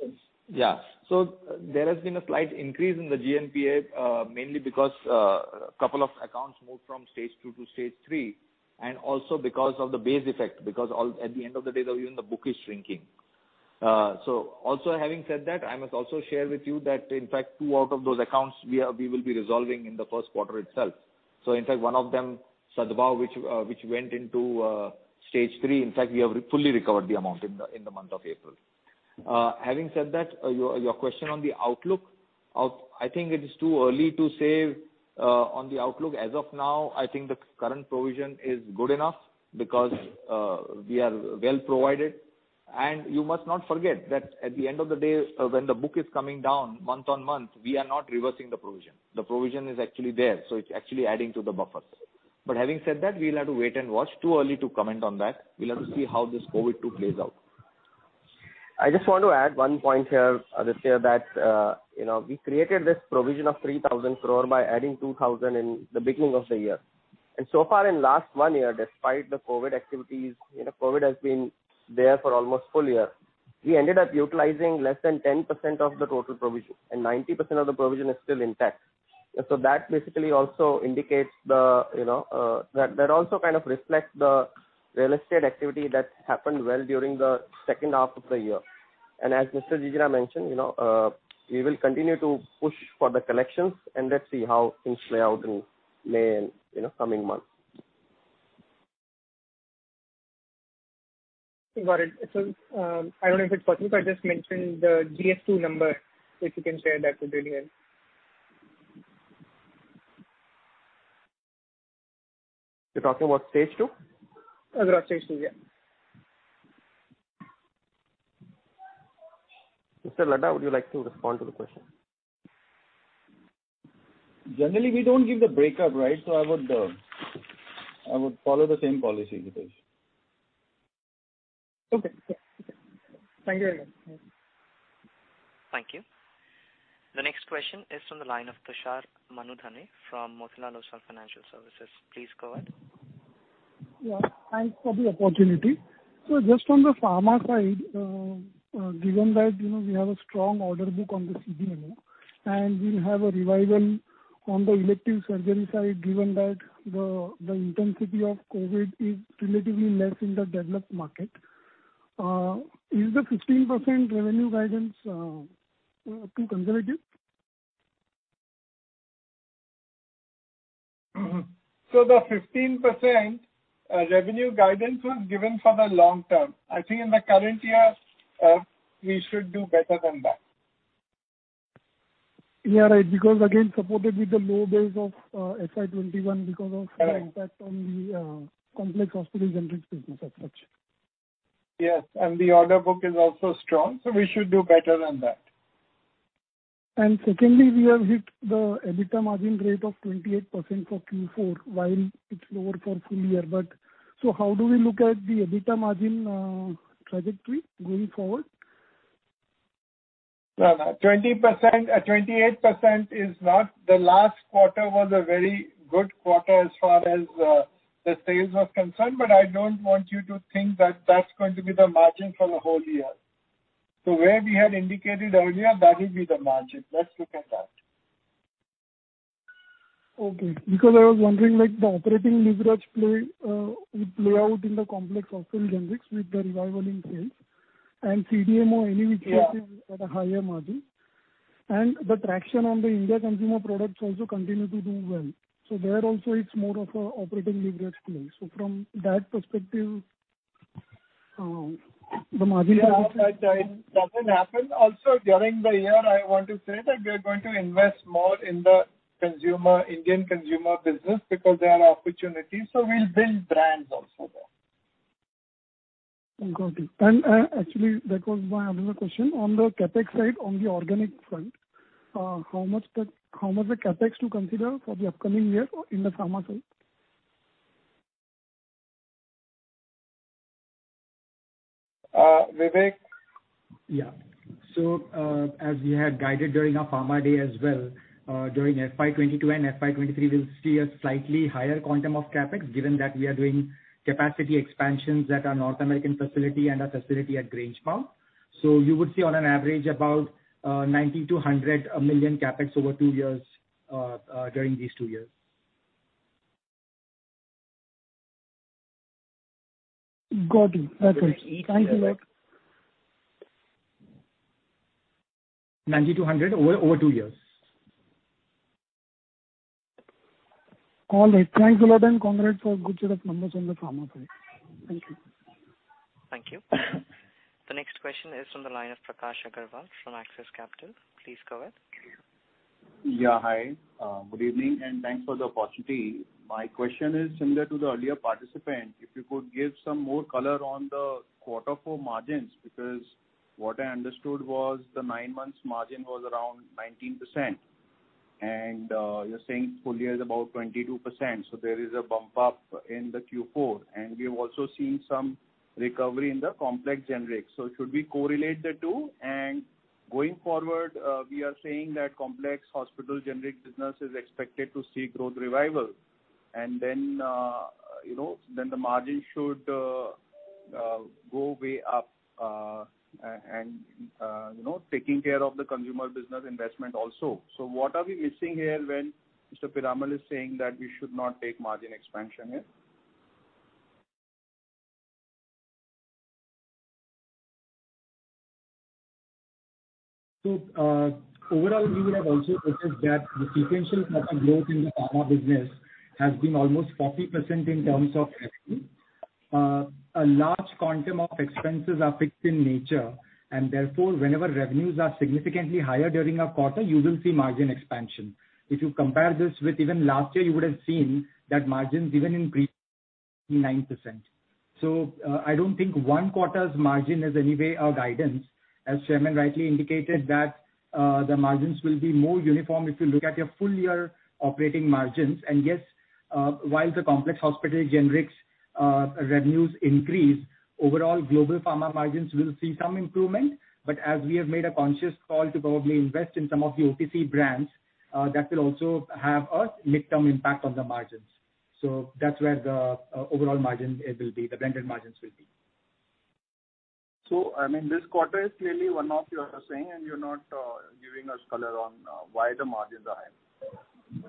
There has been a slight increase in the GNPA, mainly because a couple of accounts moved from Stage two to Stage three, and also because of the base effect, because at the end of the day, even the book is shrinking. Also having said that, I must also share with you that, in fact, two out of those accounts we will be resolving in the Q1 itself. In fact, one of them, Sadbhav, which went into Stage three. In fact, we have fully recovered the amount in the month of April. Having said that, your question on the outlook. I think it is too early to say on the outlook. As of now, I think the current provision is good enough because we are well provided. You must not forget that at the end of the day, when the book is coming down month-on-month, we are not reversing the provision. The provision is actually there, so it's actually adding to the buffers. Having said that, we'll have to wait and watch. Too early to comment on that. We'll have to see how this COVID two plays out. I just want to add one point here, Aditya, that we created this provision of 3,000 croress by adding 2,000 in the beginning of the year. So far in last one year, despite the COVID activities, COVID has been there for almost full year. We ended up utilizing less than 10% of the total provision, and 90% of the provision is still intact. That basically also kind of reflects the real estate activity that happened well during the H2 of the year. As Mr. Khushru Jijina mentioned, we will continue to push for the collections, and let's see how things play out in May and coming months. Got it. I don't know if it's possible, just mention the GS2 number, if you can share that would be really helpful. You're talking about Stage II? About Stage II, yeah. Mr. Laddha, would you like to respond to the question? Generally, we don't give the breakup, right? I would follow the same policy, Hitesh. Okay. Thank you very much. Thank you. The next question is from the line of Tushar Manudhane from Motilal Oswal Financial Services. Please go ahead. Yeah, thanks for the opportunity. Just from the pharma side, given that we have a strong order book on the CDMO, and we'll have a revival on the elective surgery side, given that the intensity of COVID is relatively less in the developed market. Is the 15% revenue guidance too conservative? The 15% revenue guidance was given for the long term. I think in the current year, we should do better than that. Yeah, right. Because again, supported with the low base of FY 2021 because of the impact on the complex hospital-centric business as such. Yes. The order book is also strong, so we should do better than that. Secondly, we have hit the EBITDA margin rate of 28% for Q4, while it's lower for full year. How do we look at the EBITDA margin trajectory going forward? Well, 28% is not. The last quarter was a very good quarter as far as the sales was concerned. I don't want you to think that that's going to be the margin for the whole year. Where we had indicated earlier, that will be the margin. Let's look at that. Okay. Because I was wondering, like the operating leverage would play out in the complex hospital generics with the revival in sales and CDMO anyway. Yeah. Trading at a higher margin. The traction on the India consumer products also continue to do well. There also, it's more of a operating leverage play. From that perspective. Yeah. That doesn't happen. Also, during the year, I want to say that we are going to invest more in the Indian consumer business because there are opportunities. We'll build brands also there. Okay. Actually, that was my other question. On the CapEx side, on the organic front, how much the CapEx to consider for the upcoming year in the pharma side? Vivek? Yeah. As we had guided during our Pharma Day as well, during FY 2022 and FY 2023, we'll see a slightly higher quantum of CapEx, given that we are doing capacity expansions at our North American facility and our facility at Grangemouth. You would see on an average about $90 million-$100 million CapEx over two years. Got it. Okay. Thank you. $90 million-$100 million over two years. All right. Thanks a lot and congrats for good number from the pharma side. Thank you. Thank you. The next question is from the line of Prakash Agarwal from Axis Capital. Please go ahead. Yeah. Hi. Good evening, and thanks for the opportunity. My question is similar to the earlier participant. If you could give some more color on the quarter four margins, because what I understood was the nine months margin was around 19%, and you're saying full year is about 22%. There is a bump up in the Q4. We have also seen some recovery in the complex generics. Should we correlate the two? Going forward, we are saying that complex hospital generic business is expected to see growth revival. The margin should go way up, and taking care of the consumer business investment also. What are we missing here when Mr. Piramal is saying that we should not take margin expansion here? Overall, you would have also noticed that the sequential growth in the pharma business has been almost 40% in terms of revenue. A large quantum of expenses are fixed in nature, and therefore, whenever revenues are significantly higher during a quarter, you will see margin expansion. If you compare this with even last year, you would have seen that margins even increased 9%. I don't think one quarter's margin is any way our guidance. As Chairman rightly indicated that, the margins will be more uniform if you look at your full-year operating margins. Yes, while the complex hospital generics revenues increase, overall global pharma margins will see some improvement. As we have made a conscious call to probably invest in some of the OTC brands, that will also have a midterm impact on the margins. That's where the overall margin will be, the blended margins will be. I mean, this quarter is clearly one-off you are saying, and you're not giving us color on why the margins are high.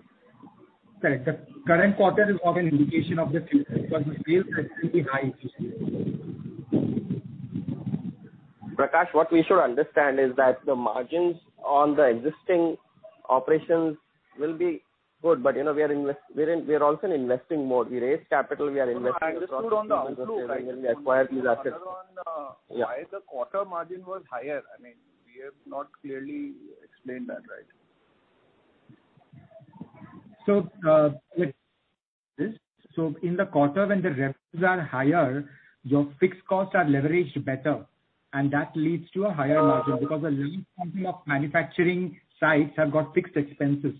Correct. The current quarter is not an indication of the future because the sales are extremely high this year. Prakash, what we should understand is that the margins on the existing operations will be good, but we are also in investing mode. We raised capital. We are investing in the processing. I understood on the outflow. I just wanted. Yeah. Color on why the quarter margin was higher. I mean, we have not clearly explained that, right? In the quarter, when the revenues are higher, your fixed costs are leveraged better, and that leads to a higher margin. Okay. Because a large quantum of manufacturing sites have got fixed expenses.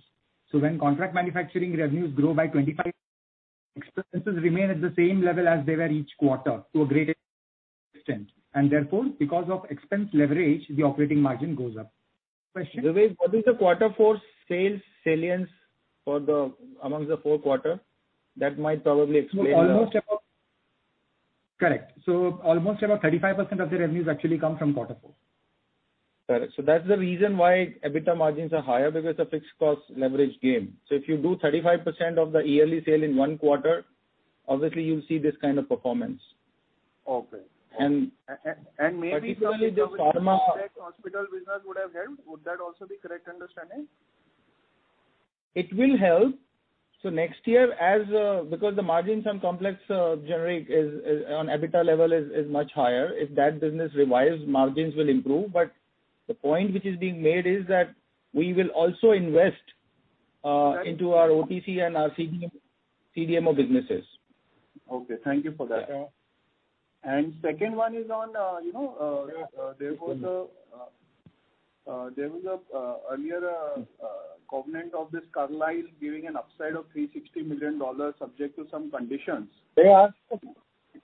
When contract manufacturing revenues grow by 25, expenses remain at the same level as they were each quarter to a great extent. Therefore, because of expense leverage, the operating margin goes up. Question. Vivek, what is the quarter four sales salience amongst the four quarter? Correct. almost about 35% of the revenues actually come from quarter four. Correct. That's the reason why EBITDA margins are higher because of fixed cost leverage gain. If you do 35% of the yearly sale in one quarter, obviously you'll see this kind of performance. Okay. Practically the pharma. Maybe some recovery in the complex hospital business would have helped. Would that also be correct understanding? It will help. Next year, because the margins on complex generic on EBITDA level is much higher, if that business revives, margins will improve. The point which is being made is that we will also invest into our OTC and our CDMO businesses. Okay. Thank you for that. Yeah. Second one is on, there was earlier a covenant of this Carlyle giving an upside of $360 million subject to some conditions. Yeah.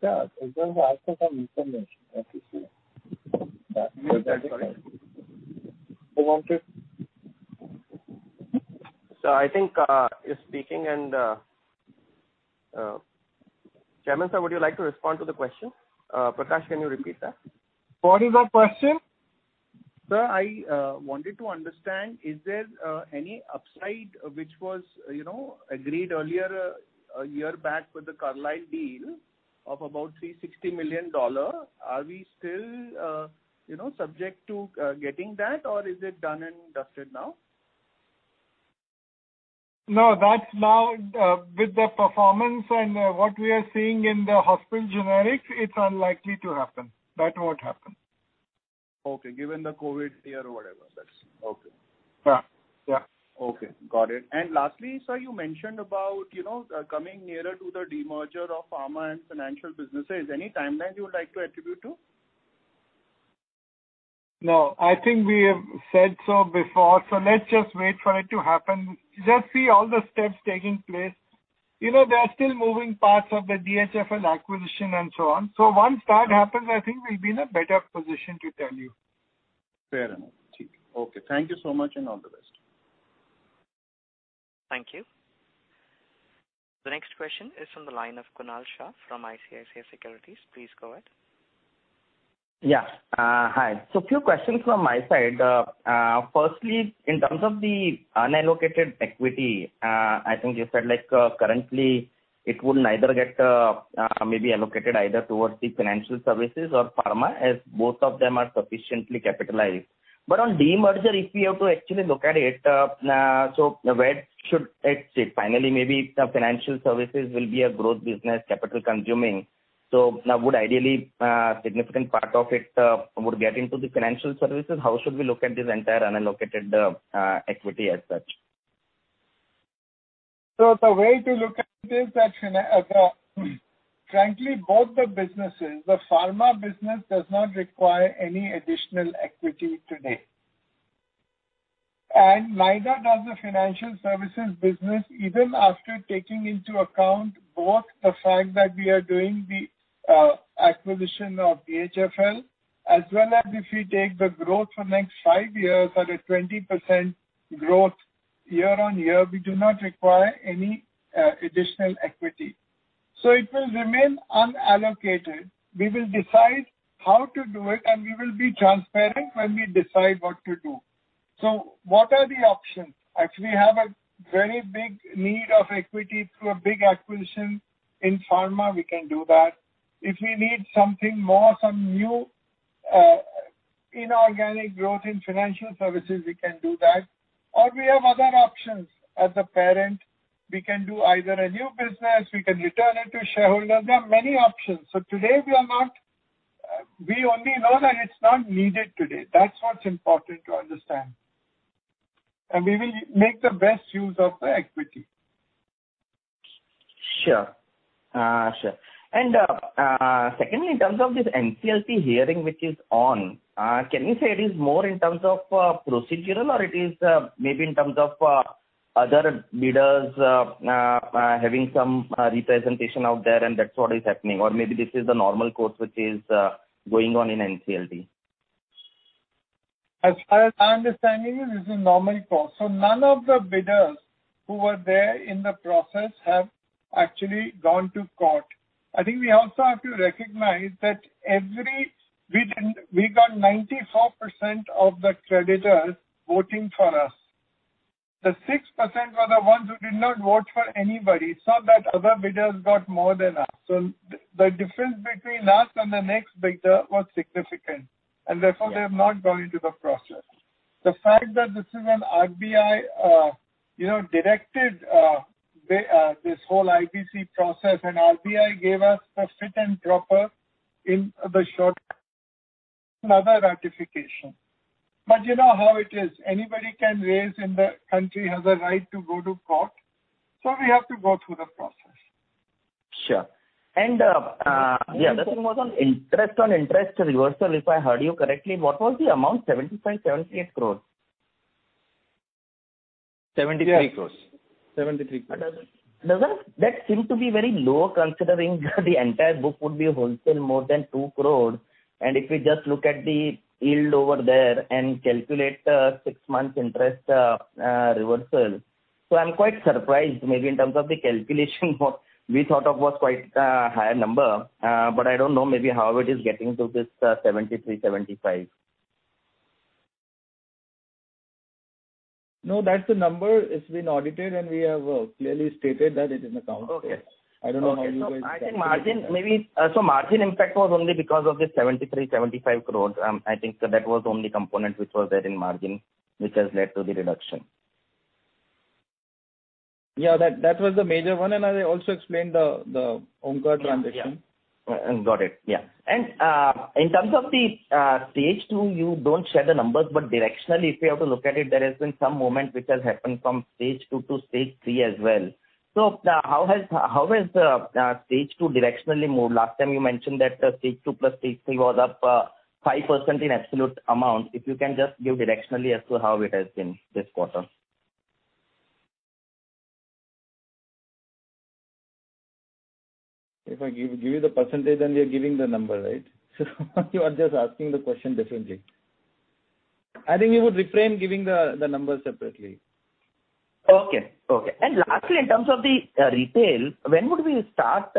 Yeah. It doesn't ask for some information. Yes, that is correct. I wanted. Sir, I think you're speaking and Chairman, sir, would you like to respond to the question? Prakash, can you repeat that? What is the question? Sir, I wanted to understand, is there any upside which was agreed earlier, a year back with the Carlyle deal of about $360 million? Are we still subject to getting that, or is it done and dusted now? No, that's now with the performance and what we are seeing in the hospital generics, it's unlikely to happen. That won't happen. Okay. Given the COVID year or whatever. That's Okay. Yeah. Okay. Got it. Lastly, sir, you mentioned about coming nearer to the demerger of pharma and financial businesses. Any timeline you would like to attribute to? No. I think we have said so before, let's just wait for it to happen. Just see all the steps taking place. There are still moving parts of the DHFL acquisition and so on. Once that happens, I think we'll be in a better position to tell you. Fair enough. Okay. Thank you so much, and all the best. Thank you. The next question is from the line of Kunal Shah from ICICI Securities. Please go ahead. Yeah. Hi. Few questions from my side. Firstly, in terms of the unallocated equity, I think you said currently it would neither get maybe allocated either towards the financial services or pharma, as both of them are sufficiently capitalized. On demerger, if we have to actually look at it, where should it sit finally? Maybe financial services will be a growth business, capital consuming. Now would ideally a significant part of it would get into the financial services? How should we look at this entire unallocated equity as such? The way to look at it is that frankly, both the businesses, the pharma business does not require any additional equity today. Neither does the financial services business, even after taking into account both the fact that we are doing the acquisition of DHFL, as well as if we take the growth for next five years at a 20% growth year on year, we do not require any additional equity. It will remain unallocated. We will decide how to do it, and we will be transparent when we decide what to do. What are the options? If we have a very big need of equity through a big acquisition in pharma, we can do that. If we need something more, some new inorganic growth in financial services, we can do that. We have other options as a parent. We can do either a new business, we can return it to shareholders. There are many options. Today we only know that it's not needed today. That's what's important to understand. We will make the best use of the equity. Sure. Secondly, in terms of this NCLT hearing, which is on, can you say it is more in terms of procedural, or it is maybe in terms of other bidders having some representation out there, and that's what is happening? Maybe this is the normal course which is going on in NCLT. As far as my understanding is, this is normal course. None of the bidders who were there in the process have actually gone to court. I think we also have to recognize that we got 94% of the creditors voting for us. The 6% were the ones who did not vote for anybody. It's not that other bidders got more than us. The difference between us and the next bidder was significant, and therefore they have not gone into the process. The fact that this is an RBI directed this whole IBC process, and RBI gave us the fit and proper in the short ratification. You know how it is. Anybody can raise in the country has a right to go to court. We have to go through the process. Sure. The other thing was on interest on interest reversal, if I heard you correctly, what was the amount? inr 75 croress, inr 78 croress? INR 73 croresss. Yes. 73 croresss. Does that seem to be very low, considering the entire book would be wholesale more than 2 croress? If we just look at the yield over there and calculate the six months interest reversal. I'm quite surprised, maybe in terms of the calculation we thought of was quite a higher number. I don't know maybe how it is getting to this inr 73 croresss, inr 75 croresss. No, that's the number. It's been audited, and we have clearly stated that it is in the accounts there. Okay. I don't know how you guys calculated that. Margin impact was only because of this 73 croresss, 75 croresss. I think that was the only component which was there in margin, which has led to the reduction. Yeah, that was the major one. I also explained the Omkar transaction. Yeah. Got it. Yeah. In terms of the stage II, you don't share the numbers, but directionally, if we have to look at it, there has been some movement which has happened from stage II to stage III as well. How has stage II directionally moved? Last time you mentioned that stage II plus stage III was up 5% in absolute amount. If you can just give directionally as to how it has been this quarter? If I give you the percentage, then we are giving the number, right? You are just asking the question differently. I think we would refrain giving the numbers separately. Okay. Lastly, in terms of the retail, when would we start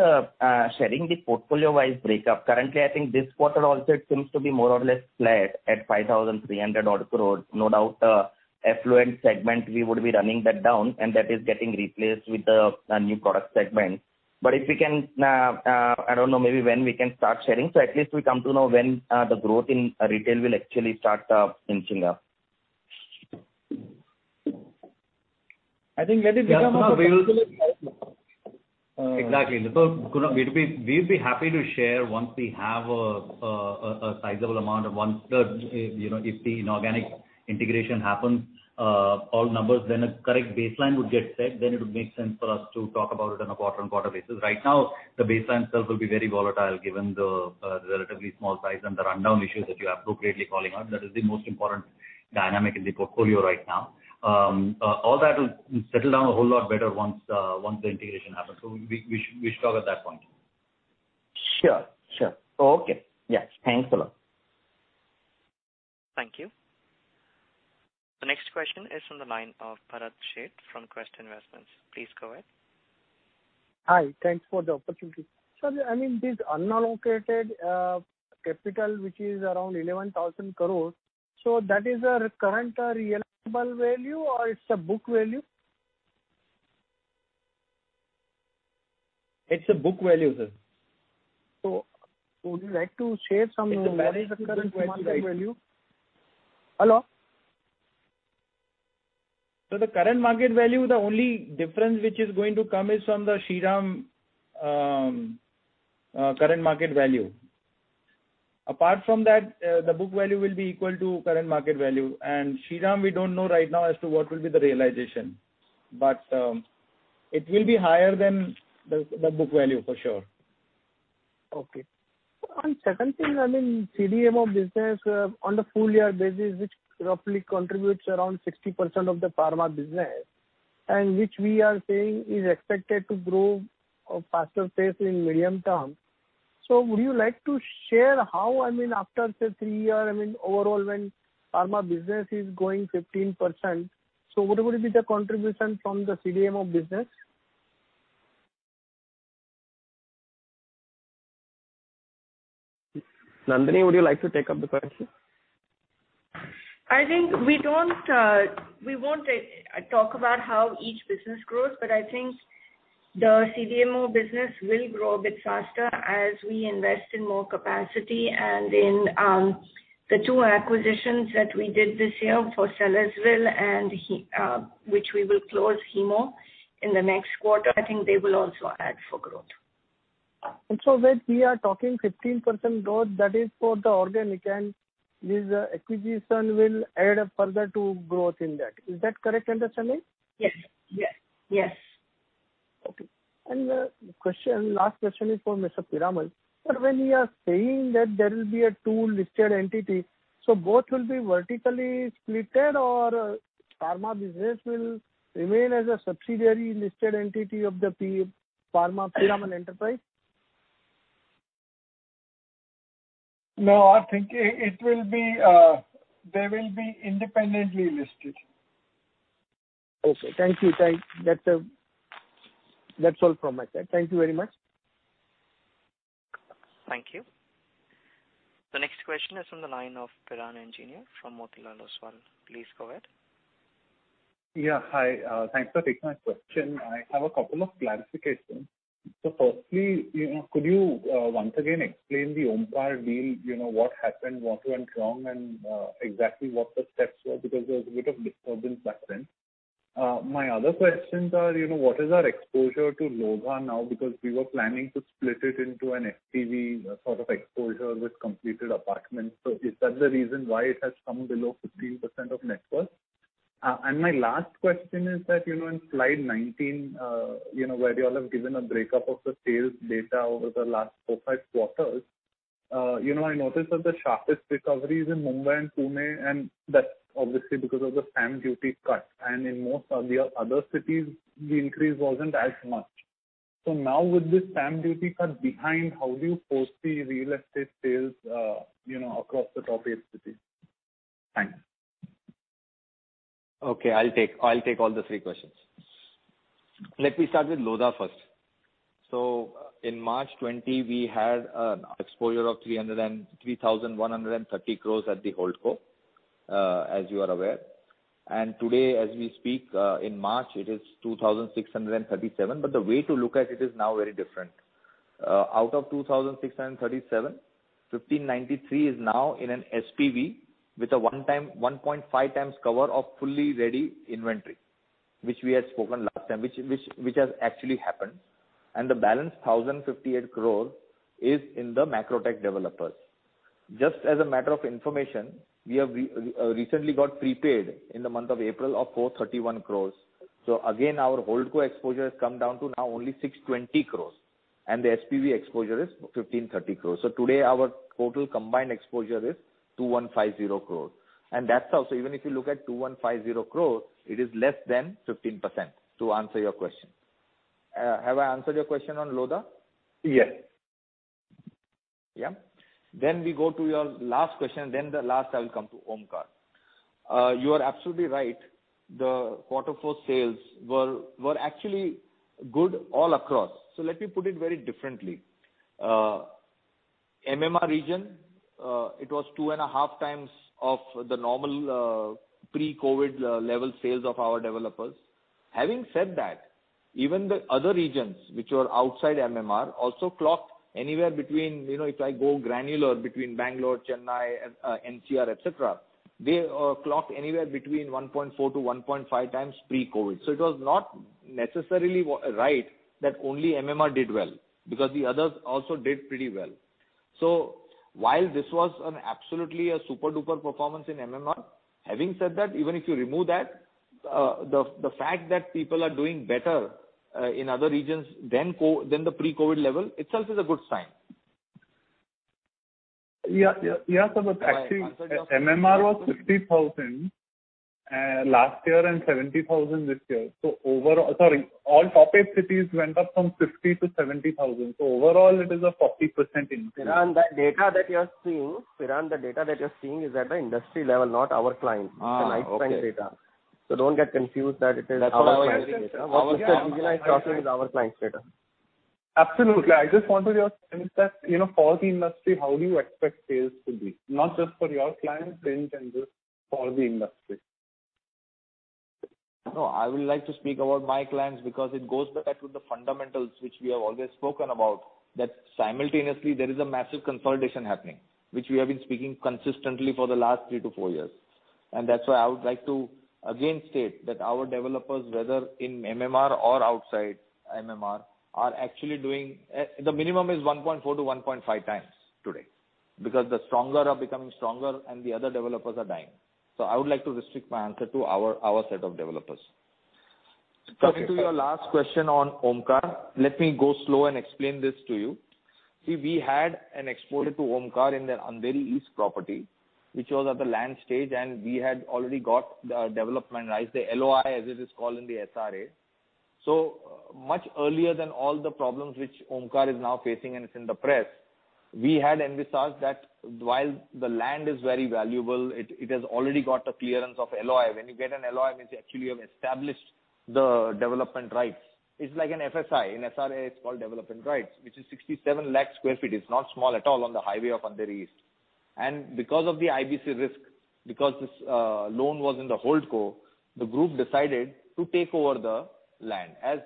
sharing the portfolio-wise breakup? Currently, I think this quarter also it seems to be more or less flat at 5,300 odd croresss. No doubt, affluent segment, we would be running that down, and that is getting replaced with a new product segment. If we can, I don't know maybe when we can start sharing, so at least we come to know when the growth in retail will actually start inching up. I think when it becomes. Exactly. We'll be happy to share once we have a sizable amount, if the inorganic integration happens, all numbers, then a correct baseline would get set, then it would make sense for us to talk about it on a quarter-on-quarter basis. Right now, the baseline itself will be very volatile given the relatively small size and the rundown issues that you are appropriately calling out. That is the most important dynamic in the portfolio right now. All that will settle down a whole lot better once the integration happens. We should talk at that point. Sure. Okay. Yes. Thanks a lot. Thank you. The next question is from the line of Bharat Sheth from Quest Investments. Please go ahead. Hi, thanks for the opportunity. Sir, this unallocated capital, which is around 11,000 croresss, that is our current realizable value or it's a book value? It's a book value, sir. Would you like to share? It's a book value. what is the current market value? Hello? The current market value, the only difference which is going to come is from the Shriram current market value. Apart from that, the book value will be equal to current market value. Shriram, we don't know right now as to what will be the realization. It will be higher than the book value, for sure. Okay. Second thing, CDMO business on the full year basis, which roughly contributes around 60% of the pharma business, and which we are saying is expected to grow a faster pace in medium term. Would you like to share how, after say three year, overall when pharma business is growing 15%, so what would be the contribution from the CDMO business? Nandini, would you like to take up the question? I think we won't talk about how each business grows, but I think the CDMO business will grow a bit faster as we invest in more capacity. In the two acquisitions that we did this year for Sellersville and which we will close, Hemmo, in the next quarter, I think they will also add for growth. When we are talking 15% growth, that is for the organic, and this acquisition will add up further to growth in that. Is that correct understanding? Yes. Okay. The last question is for Mr. Piramal. Sir, when you are saying that there will be a two listed entity, so both will be vertically splitted or pharma business will remain as a subsidiary listed entity of the pharma Piramal Enterprises? No, I think they will be independently listed. Okay. Thank you. That's all from my side. Thank you very much. Thank you. The next question is from the line of Piran Engineer from Motilal Oswal. Please go ahead. Yeah, hi. Thanks for taking my question. I have a couple of clarifications. Firstly, could you once again explain the Omkar deal, what happened, what went wrong, and exactly what the steps were? Because there was a bit of disturbance back then. My other questions are, what is our exposure to Lodha now, because we were planning to split it into an SPV sort of exposure with completed apartments. Is that the reason why it has come below 15% of net worth? My last question is that, in slide 19, where you all have given a breakup of the sales data over the last four, five quarters, I noticed that the sharpest recovery is in Mumbai and Pune, and that's obviously because of the stamp duty cut. In most of the other cities, the increase wasn't as much. Now with this stamp duty cut behind, how do you foresee real estate sales across the top eight cities? Thanks. Okay, I'll take all the three questions. Let me start with Lodha first. In March 20, we had an exposure of 3,130 croresss at the holdco, as you are aware. Today, as we speak, in March, it is 2,637 croresss. The way to look at it is now very different. Out of 2,637 croresss, inr 1,593 croresss is now in an SPV with a 1.5x cover of fully ready inventory, which we had spoken last time, which has actually happened. The balance 1,058 croress is in the Macrotech Developers. Just as a matter of information, we have recently got prepaid in the month of April of 431 croresss. Again, our holdco exposure has come down to now only 620 croresss. The SPV exposure is 1,530 croresss. Today our total combined exposure is 2,150 croresss. That's how, even if you look at 2,150 croress, it is less than 15%, to answer your question. Have I answered your question on Lodha? Yes. We go to your last question, then the last I will come to Omkar. You are absolutely right, the quarter four sales were actually good all across. Let me put it very differently. MMR region, it was 2.5x of the normal pre-COVID level sales of our developers. Having said that, even the other regions which were outside MMR also clocked anywhere between, if I go granular between Bangalore, Chennai, NCR, et cetera, they clocked anywhere between 1.4-1.5x pre-COVID. It was not necessarily right that only MMR did well, because the others also did pretty well. While this was an absolutely a super-duper performance in MMR, having said that, even if you remove that, the fact that people are doing better in other regions than the pre-COVID level itself is a good sign. Yeah, sir. Have I answered your question? MMR was 50,000 last year and 70,000 this year. Sorry, all top eight cities went up from 50,000 to 70,000. Overall it is a 40% increase. Piran, the data that you're seeing is at the industry level, not our clients. Okay. It's an ICRA data. Don't get confused that it is our client data. That's what I wanted to. Yeah. What Mr. Vijayan is talking is our clients' data. Absolutely. I just wanted your sense that, for the industry, how do you expect sales to be? Not just for your clients, in general for the industry. No, I would like to speak about my clients because it goes back to the fundamentals which we have always spoken about, that simultaneously there is a massive consolidation happening, which we have been speaking consistently for the last three to four years. That's why I would like to again state that our developers, whether in MMR or outside MMR, are actually doing. The minimum is 1.4-1.5x today. Because the stronger are becoming stronger and the other developers are dying. I would like to restrict my answer to our set of developers. Okay. Coming to your last question on Omkar. Let me go slow and explain this to you. We had an exposure to Omkar in their Andheri East property, which was at the land stage, and we had already got the development rights, the LOI as it is called in the SRA. Much earlier than all the problems which Omkar is now facing and it's in the press, we had envisaged that while the land is very valuable, it has already got a clearance of LOI. When you get an LOI means you actually have established the development rights. It's like an FSI. In SRA, it's called development rights, which is 67 lakh square feet. It's not small at all on the highway of Andheri East. Because of the IBC risk, because this loan was in the holdco, the group decided to take over the land. As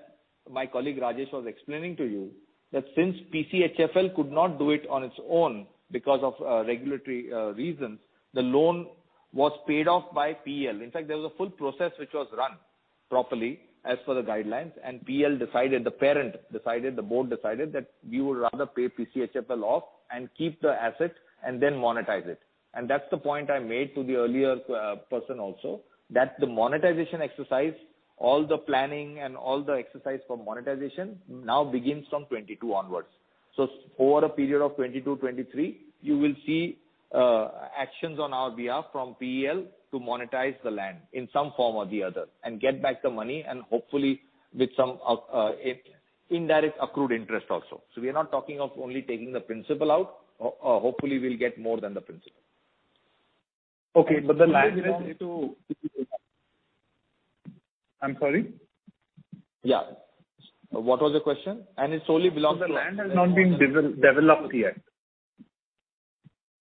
my colleague Rajesh was explaining to you, that since PCHFL could not do it on its own because of regulatory reasons, the loan was paid off by PEL. In fact, there was a full process which was run properly as per the guidelines, PEL decided, the parent decided, the board decided that we would rather pay PCHFL off and keep the asset and then monetize it. That's the point I made to the earlier person also, that the monetization exercise, all the planning and all the exercise for monetization now begins from 2022 onwards. Over a period of 2022, 2023, you will see actions on our behalf from PEL to monetize the land in some form or the other and get back the money and hopefully with some indirect accrued interest also. We are not talking of only taking the principal out. Hopefully, we'll get more than the principal. Okay. The land belongs to. Did I answer your question? I'm sorry? Yeah. What was the question? It solely belongs to us. The land has not been developed yet.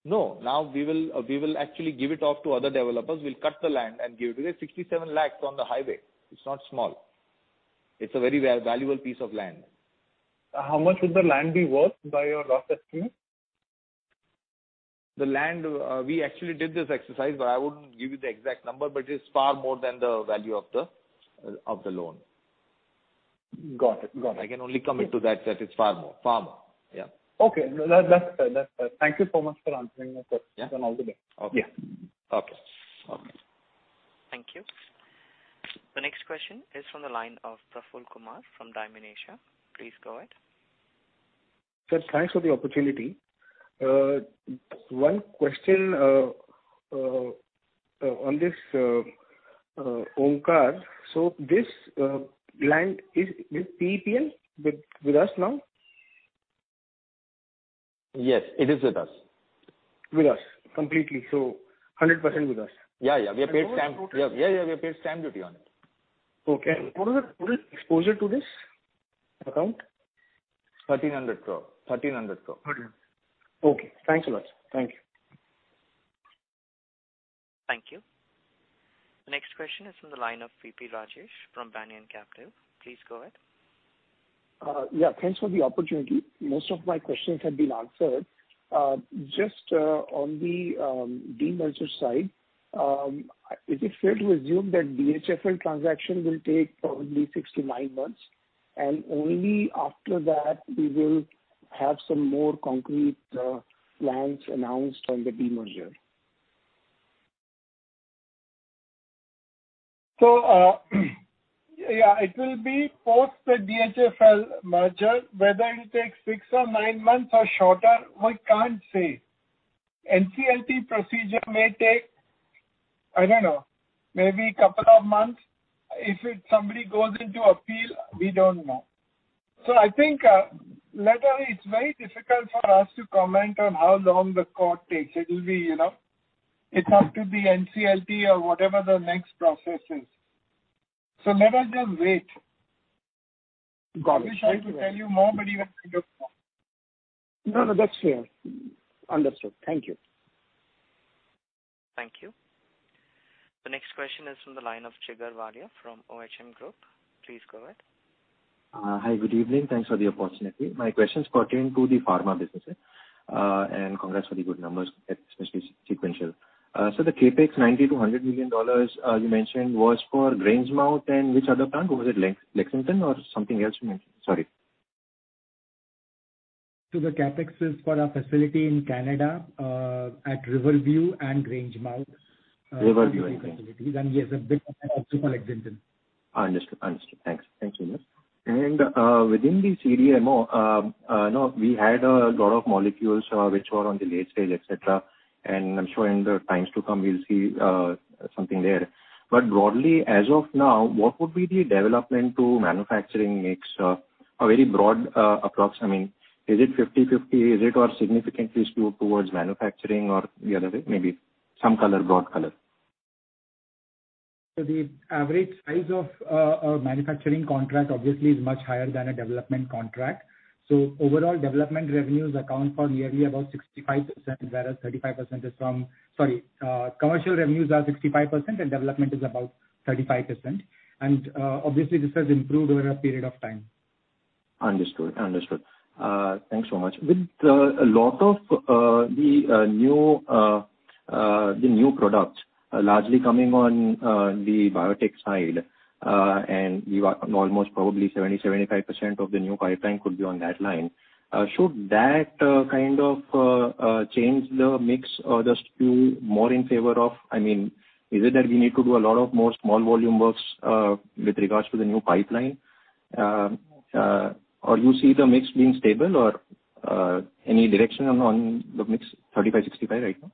No. Now we will actually give it off to other developers. We'll cut the land and give it because 67 lakhs on the highway, it's not small. It's a very valuable piece of land. How much would the land be worth by your rough estimate? The land, we actually did this exercise, but I wouldn't give you the exact number, but it is far more than the value of the loan. Got it. I can only commit to that it's far more. Far more. Yeah. Okay. That's fair. Thank you so much for answering my questions. Yeah. And all the best. Okay. Yeah. Okay. Thank you. The next question is from the line of Praful Kumar from Dymon Asia. Please go ahead. Sir, thanks for the opportunity. One question on this Omkar. This land, is it with PEL, with us now? Yes, it is with us. With us. Completely. 100% with us. Yeah. We have paid stamp duty on it. Okay. What is the total exposure to this account? 1,300 croress. 1,300. Okay. Thanks a lot, sir. Thank you. Thank you. Next question is from the line of V.P. Rajesh from Banyan Capital. Please go ahead. Yeah, thanks for the opportunity. Most of my questions have been answered. Just on the demerger side, is it fair to assume that DHFL transaction will take probably six to nine months, and only after that we will have some more concrete plans announced on the demerger? Yeah, it will be post the DHFL merger. Whether it takes six or nine months or shorter, we can't say. NCLT procedure may take, I don't know, maybe a couple of months. If somebody goes into appeal, we don't know. I think, Letter, it's very difficult for us to comment on how long the court takes. It's up to the NCLT or whatever the next process is. Let us just wait. Got it. Thank you. I wish I could tell you more, but even we don't know. No, that's fair. Understood. Thank you. Thank you. The next question is from the line of Jigar Valia from Ohm Group. Please go ahead. Hi, good evening. Thanks for the opportunity. My questions pertain to the pharma businesses. Congrats for the good numbers, especially sequential. The CapEx $90 million-$100 million you mentioned was for Grangemouth and which other plant? Was it Lexington or something else you mentioned? Sorry. The CapEx is for our facility in Canada, at Riverview and Grangemouth. Riverview and Grangemouth. Yes, a bit of that also for Lexington. Understood. Thanks, Unmesh. Within the CDMO, we had a lot of molecules which were on the late stage, et cetera, and I'm sure in the times to come, we'll see something there. Broadly, as of now, what would be the development to manufacturing mix? A very broad approximate. Is it 50/50? Is it significantly skewed towards manufacturing or the other way? Maybe some broad color. The average size of a manufacturing contract obviously is much higher than a development contract. Overall, Commercial revenues are 65% and development is about 35%. Obviously, this has improved over a period of time. Understood. Thanks so much. Almost probably 70%-75% of the new pipeline could be on that line. Should that kind of change the mix or the skew more in favor of? Is it that we need to do a lot of more small volume works with regards to the new pipeline? Or you see the mix being stable? Or any direction on the mix 35/65 right now?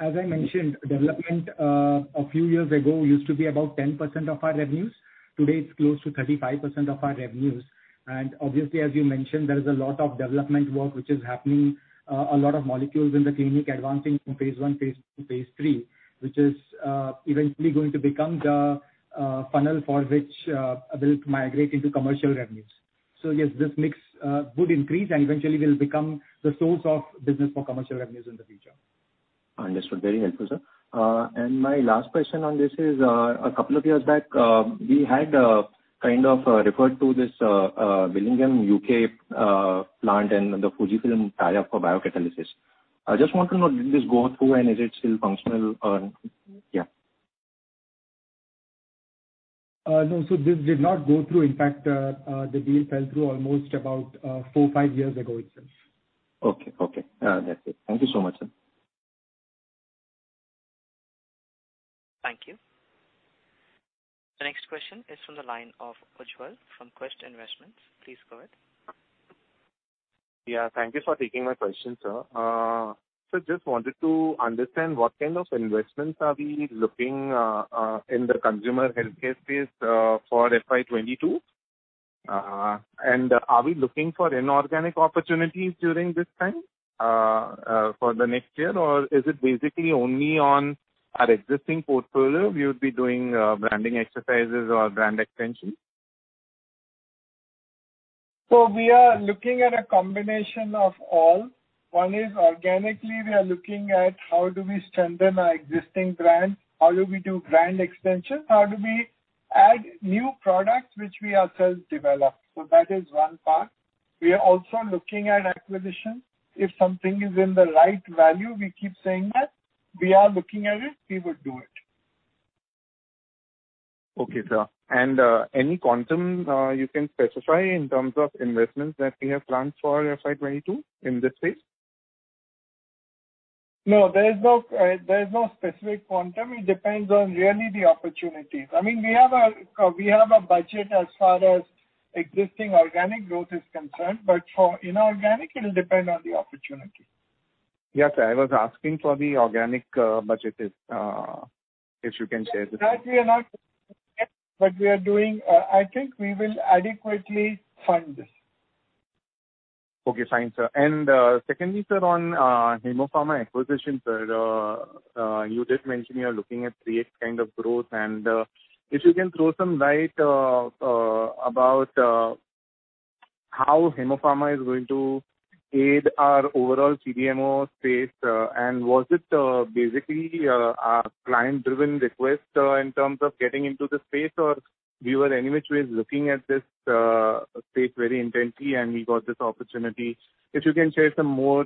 As I mentioned, development a few years ago used to be about 10% of our revenues. Today, it's close to 35% of our revenues. Obviously, as you mentioned, there is a lot of development work which is happening. A lot of molecules in the clinic advancing from phase I to phase III, which is eventually going to become the funnel for which will migrate into commercial revenues. Yes, this mix would increase and eventually will become the source of business for commercial revenues in the future. Understood. Very helpful, sir. My last question on this is, a couple of years back, we had kind of referred to this Billingham, U.K. plant and the Fujifilm tie-up for biocatalysis. I just want to know, did this go through and is it still functional? Yeah. No. This did not go through. In fact, the deal fell through almost about four, five years ago itself. Okay. That's it. Thank you so much, sir. Thank you. The next question is from the line of Ujjwal from Quest Investments. Please go ahead. Thank you for taking my question, sir. Just wanted to understand what kind of investments are we looking in the consumer healthcare space for FY 2022. Are we looking for inorganic opportunities during this time for the next year or is it basically only on our existing portfolio we would be doing branding exercises or brand extension? We are looking at a combination of all. One is organically we are looking at how do we strengthen our existing brands, how do we do brand extension, how do we add new products which we ourselves develop. That is one part. We are also looking at acquisition. If something is in the right value, we keep saying that we are looking at it, we would do it. Okay, sir. Any quantum you can specify in terms of investments that we have planned for FY 2022 in this space? No, there is no specific quantum. It depends on really the opportunities. We have a budget as far as existing organic growth is concerned, but for inorganic, it'll depend on the opportunity. Yes, I was asking for the organic budget, if you can share. That we are not yet, but we are doing I think we will adequately fund this. Okay, fine, sir. Secondly, sir, on Hemmo Pharma acquisition, sir, you just mentioned you are looking at 3x kind of growth, and if you can throw some light about how Hemmo Pharma is going to aid our overall CDMO space, and was it basically a client-driven request in terms of getting into the space, or we were anyway looking at this space very intensely, and we got this opportunity. If you can share some more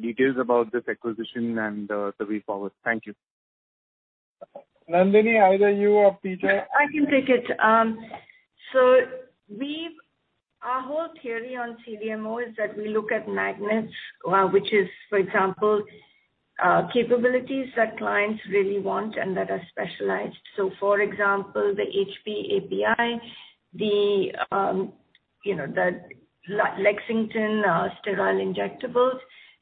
details about this acquisition and the way forward. Thank you. Nandini, either you or KJ. I can take it. Our whole theory on CDMO is that we look at magnets, which is, for example, capabilities that clients really want and that are specialized. For example, the HPAPI, the Lexington sterile injectables.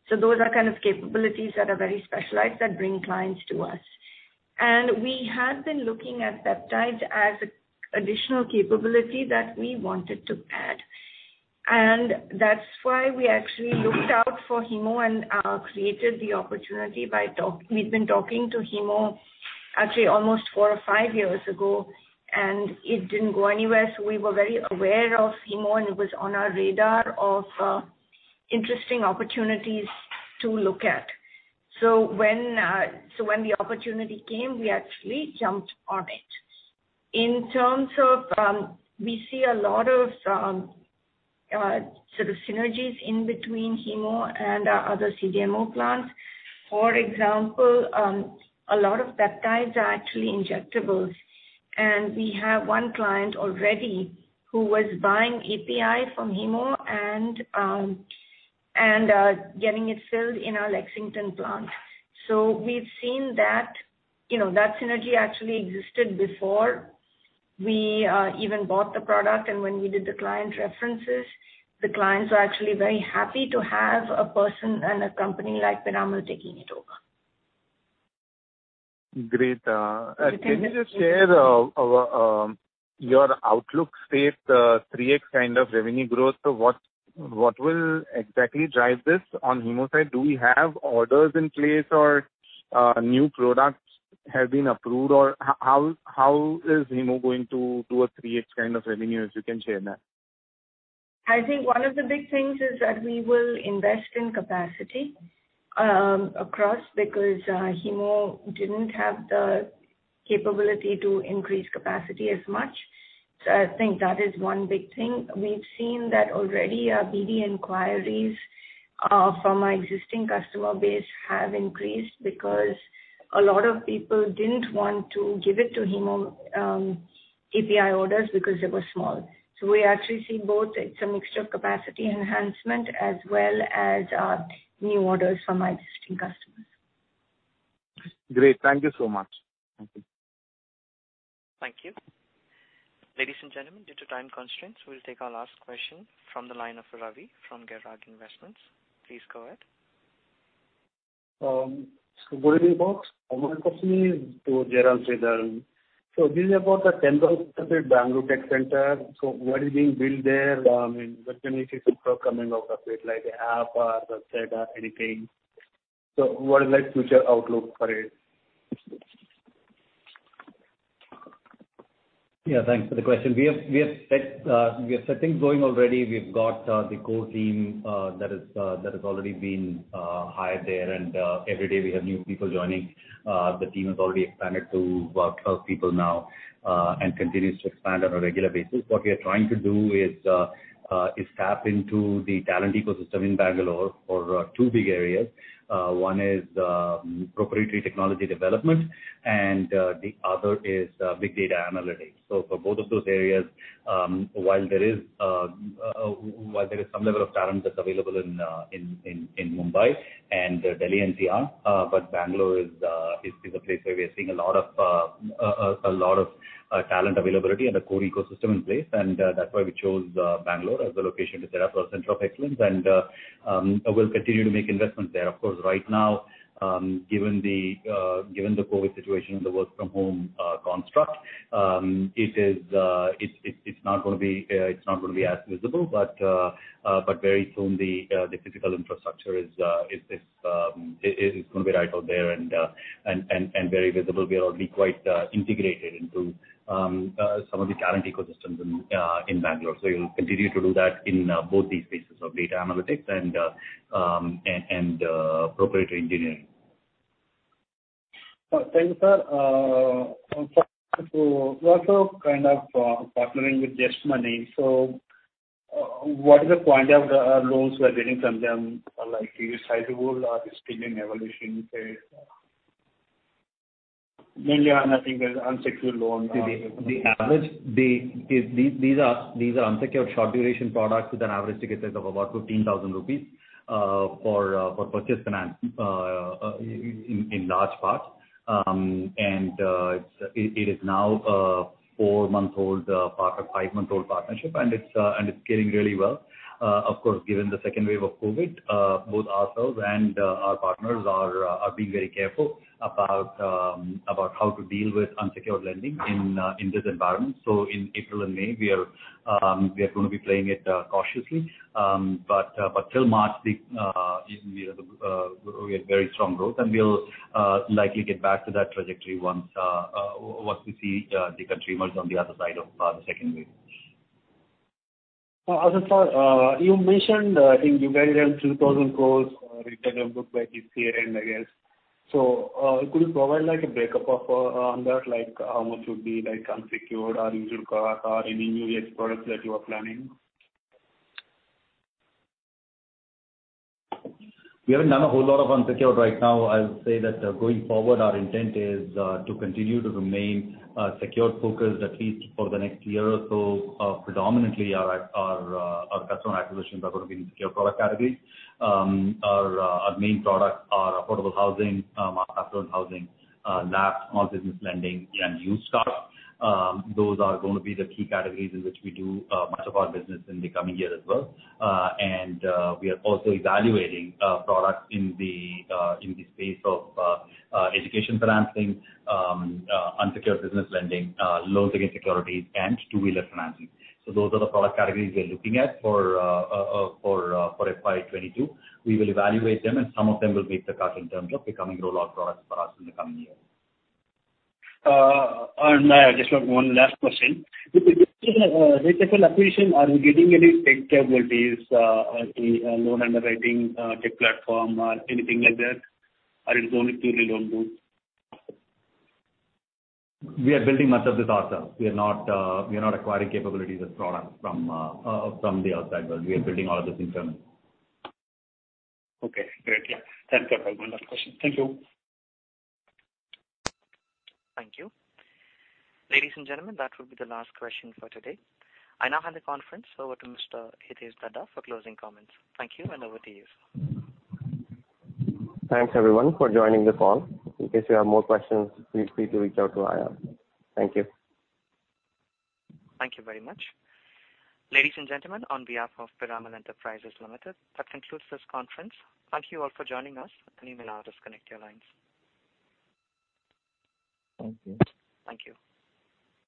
Those are capabilities that are very specialized that bring clients to us. We have been looking at peptides as additional capability that we wanted to add. That's why we actually looked out for Hemmo and created the opportunity. We've been talking to Hemmo actually almost four or five years ago, and it didn't go anywhere. We were very aware of Hemmo, and it was on our radar of interesting opportunities to look at. When the opportunity came, we actually jumped on it. In terms of, we see a lot of synergies in between Hemmo and our other CDMO plants. For example, a lot of peptides are actually injectables, and we have one client already who was buying API from Hemmo and getting it filled in our Lexington plant. We've seen that synergy actually existed before we even bought the product, and when we did the client references, the clients were actually very happy to have a person and a company like Piramal taking it over. Great. Can you just share your outlook state, 3x kind of revenue growth? What will exactly drive this on Hemmo side? Do we have orders in place or new products have been approved? How is Hemmo going to do a 3x kind of revenue, if you can share that? I think one of the big things is that we will invest in capacity across, because Hemmo didn't have the capability to increase capacity as much. I think that is one big thing. We've seen that already our BD inquiries from our existing customer base have increased because a lot of people didn't want to give it to Hemmo API orders because they were small. We actually see both. It's a mixture of capacity enhancement as well as new orders from our existing customers. Great. Thank you so much. Thank you. Ladies and gentlemen, due to time constraints, we'll take our last question from the line of Ravi from Gera Investments. Please go ahead. Good evening, folks. My question is to Jairam Sridharan. This is about the Bangalore tech center. What is being built there? When can we see some product coming out of it, like app or website or anything? What is future outlook for it? Yeah. Thanks for the question. We are setting going already. We've got the core team that has already been hired there, and every day we have new people joining. The team has already expanded to about 12 people now, and continues to expand on a regular basis. What we are trying to do is tap into the talent ecosystem in Bangalore for two big areas. One is proprietary technology development and the other is big data analytics. For both of those areas, while there is some level of talent that's available in Mumbai and Delhi NCR, Bangalore is a place where we are seeing a lot of talent availability and a core ecosystem in place. That's why we chose Bangalore as the location to set up our center of excellence and we'll continue to make investments there. Of course, right now, given the COVID-19 situation and the work from home construct, it's not going to be as visible, but very soon the physical infrastructure is going to be right out there and very visible. We'll be quite integrated into some of the talent ecosystems in Bangalore. We'll continue to do that in both these spaces of data analytics and proprietary engineering. Thank you, sir. You're also partnering with ZestMoney. What is the point of the loans we are getting from them? Are they sizable? Are they still in evolution phase? Mainly, I think there's unsecured loan. These are unsecured short duration products with an average ticket size of about ₹15,000 for purchase finance in large parts. It is now a four-month-old, five-month-old partnership, and it's scaling really well. Of course, given the second wave of COVID, both ourselves and our partners are being very careful about how to deal with unsecured lending in this environment. In April and May, we are going to be playing it cautiously. Till March, we had very strong growth and we'll likely get back to that trajectory once we see the country emerge on the other side of the second wave. Also, sir, you mentioned, I think you guys around 2,000 croress return of book by this year end, I guess. Could you provide a breakup of that, like how much would be unsecured or used car or any new age products that you are planning? We haven't done a whole lot of unsecured right now. I would say that going forward, our intent is to continue to remain secured focused, at least for the next year or so. Predominantly, our customer acquisitions are going to be in secure product categories. Our main products are affordable housing, Mass Market housing, NAS, small business lending, and used cars. Those are going to be the key categories in which we do much of our business in the coming year as well. We are also evaluating products in the space of education financing, unsecured business lending, loans against securities, and two-wheeler financing. Those are the product categories we are looking at for FY 2022. We will evaluate them, and some of them will make the cut in terms of becoming rollout products for us in the coming year. I just have one last question. With digital acquisition, are you getting any tech capabilities, loan underwriting tech platform or anything like that? Or it's only purely loan book? We are building much of this ourselves. We are not acquiring capabilities or products from the outside world. We are building all of this internally. Okay, great. Thanks, sir, for a wonderful question. Thank you. Thank you. Ladies and gentlemen, that will be the last question for today. I now hand the conference over to Mr. Hitesh Dhaddha for closing comments. Thank you, and over to you, sir. Thanks everyone for joining the call. In case you have more questions, feel free to reach out to IR. Thank you. Thank you very much. Ladies and gentlemen, on behalf of Piramal Enterprises Limited, that concludes this conference. Thank you all for joining us. You may now disconnect your lines. Thank you. Thank you.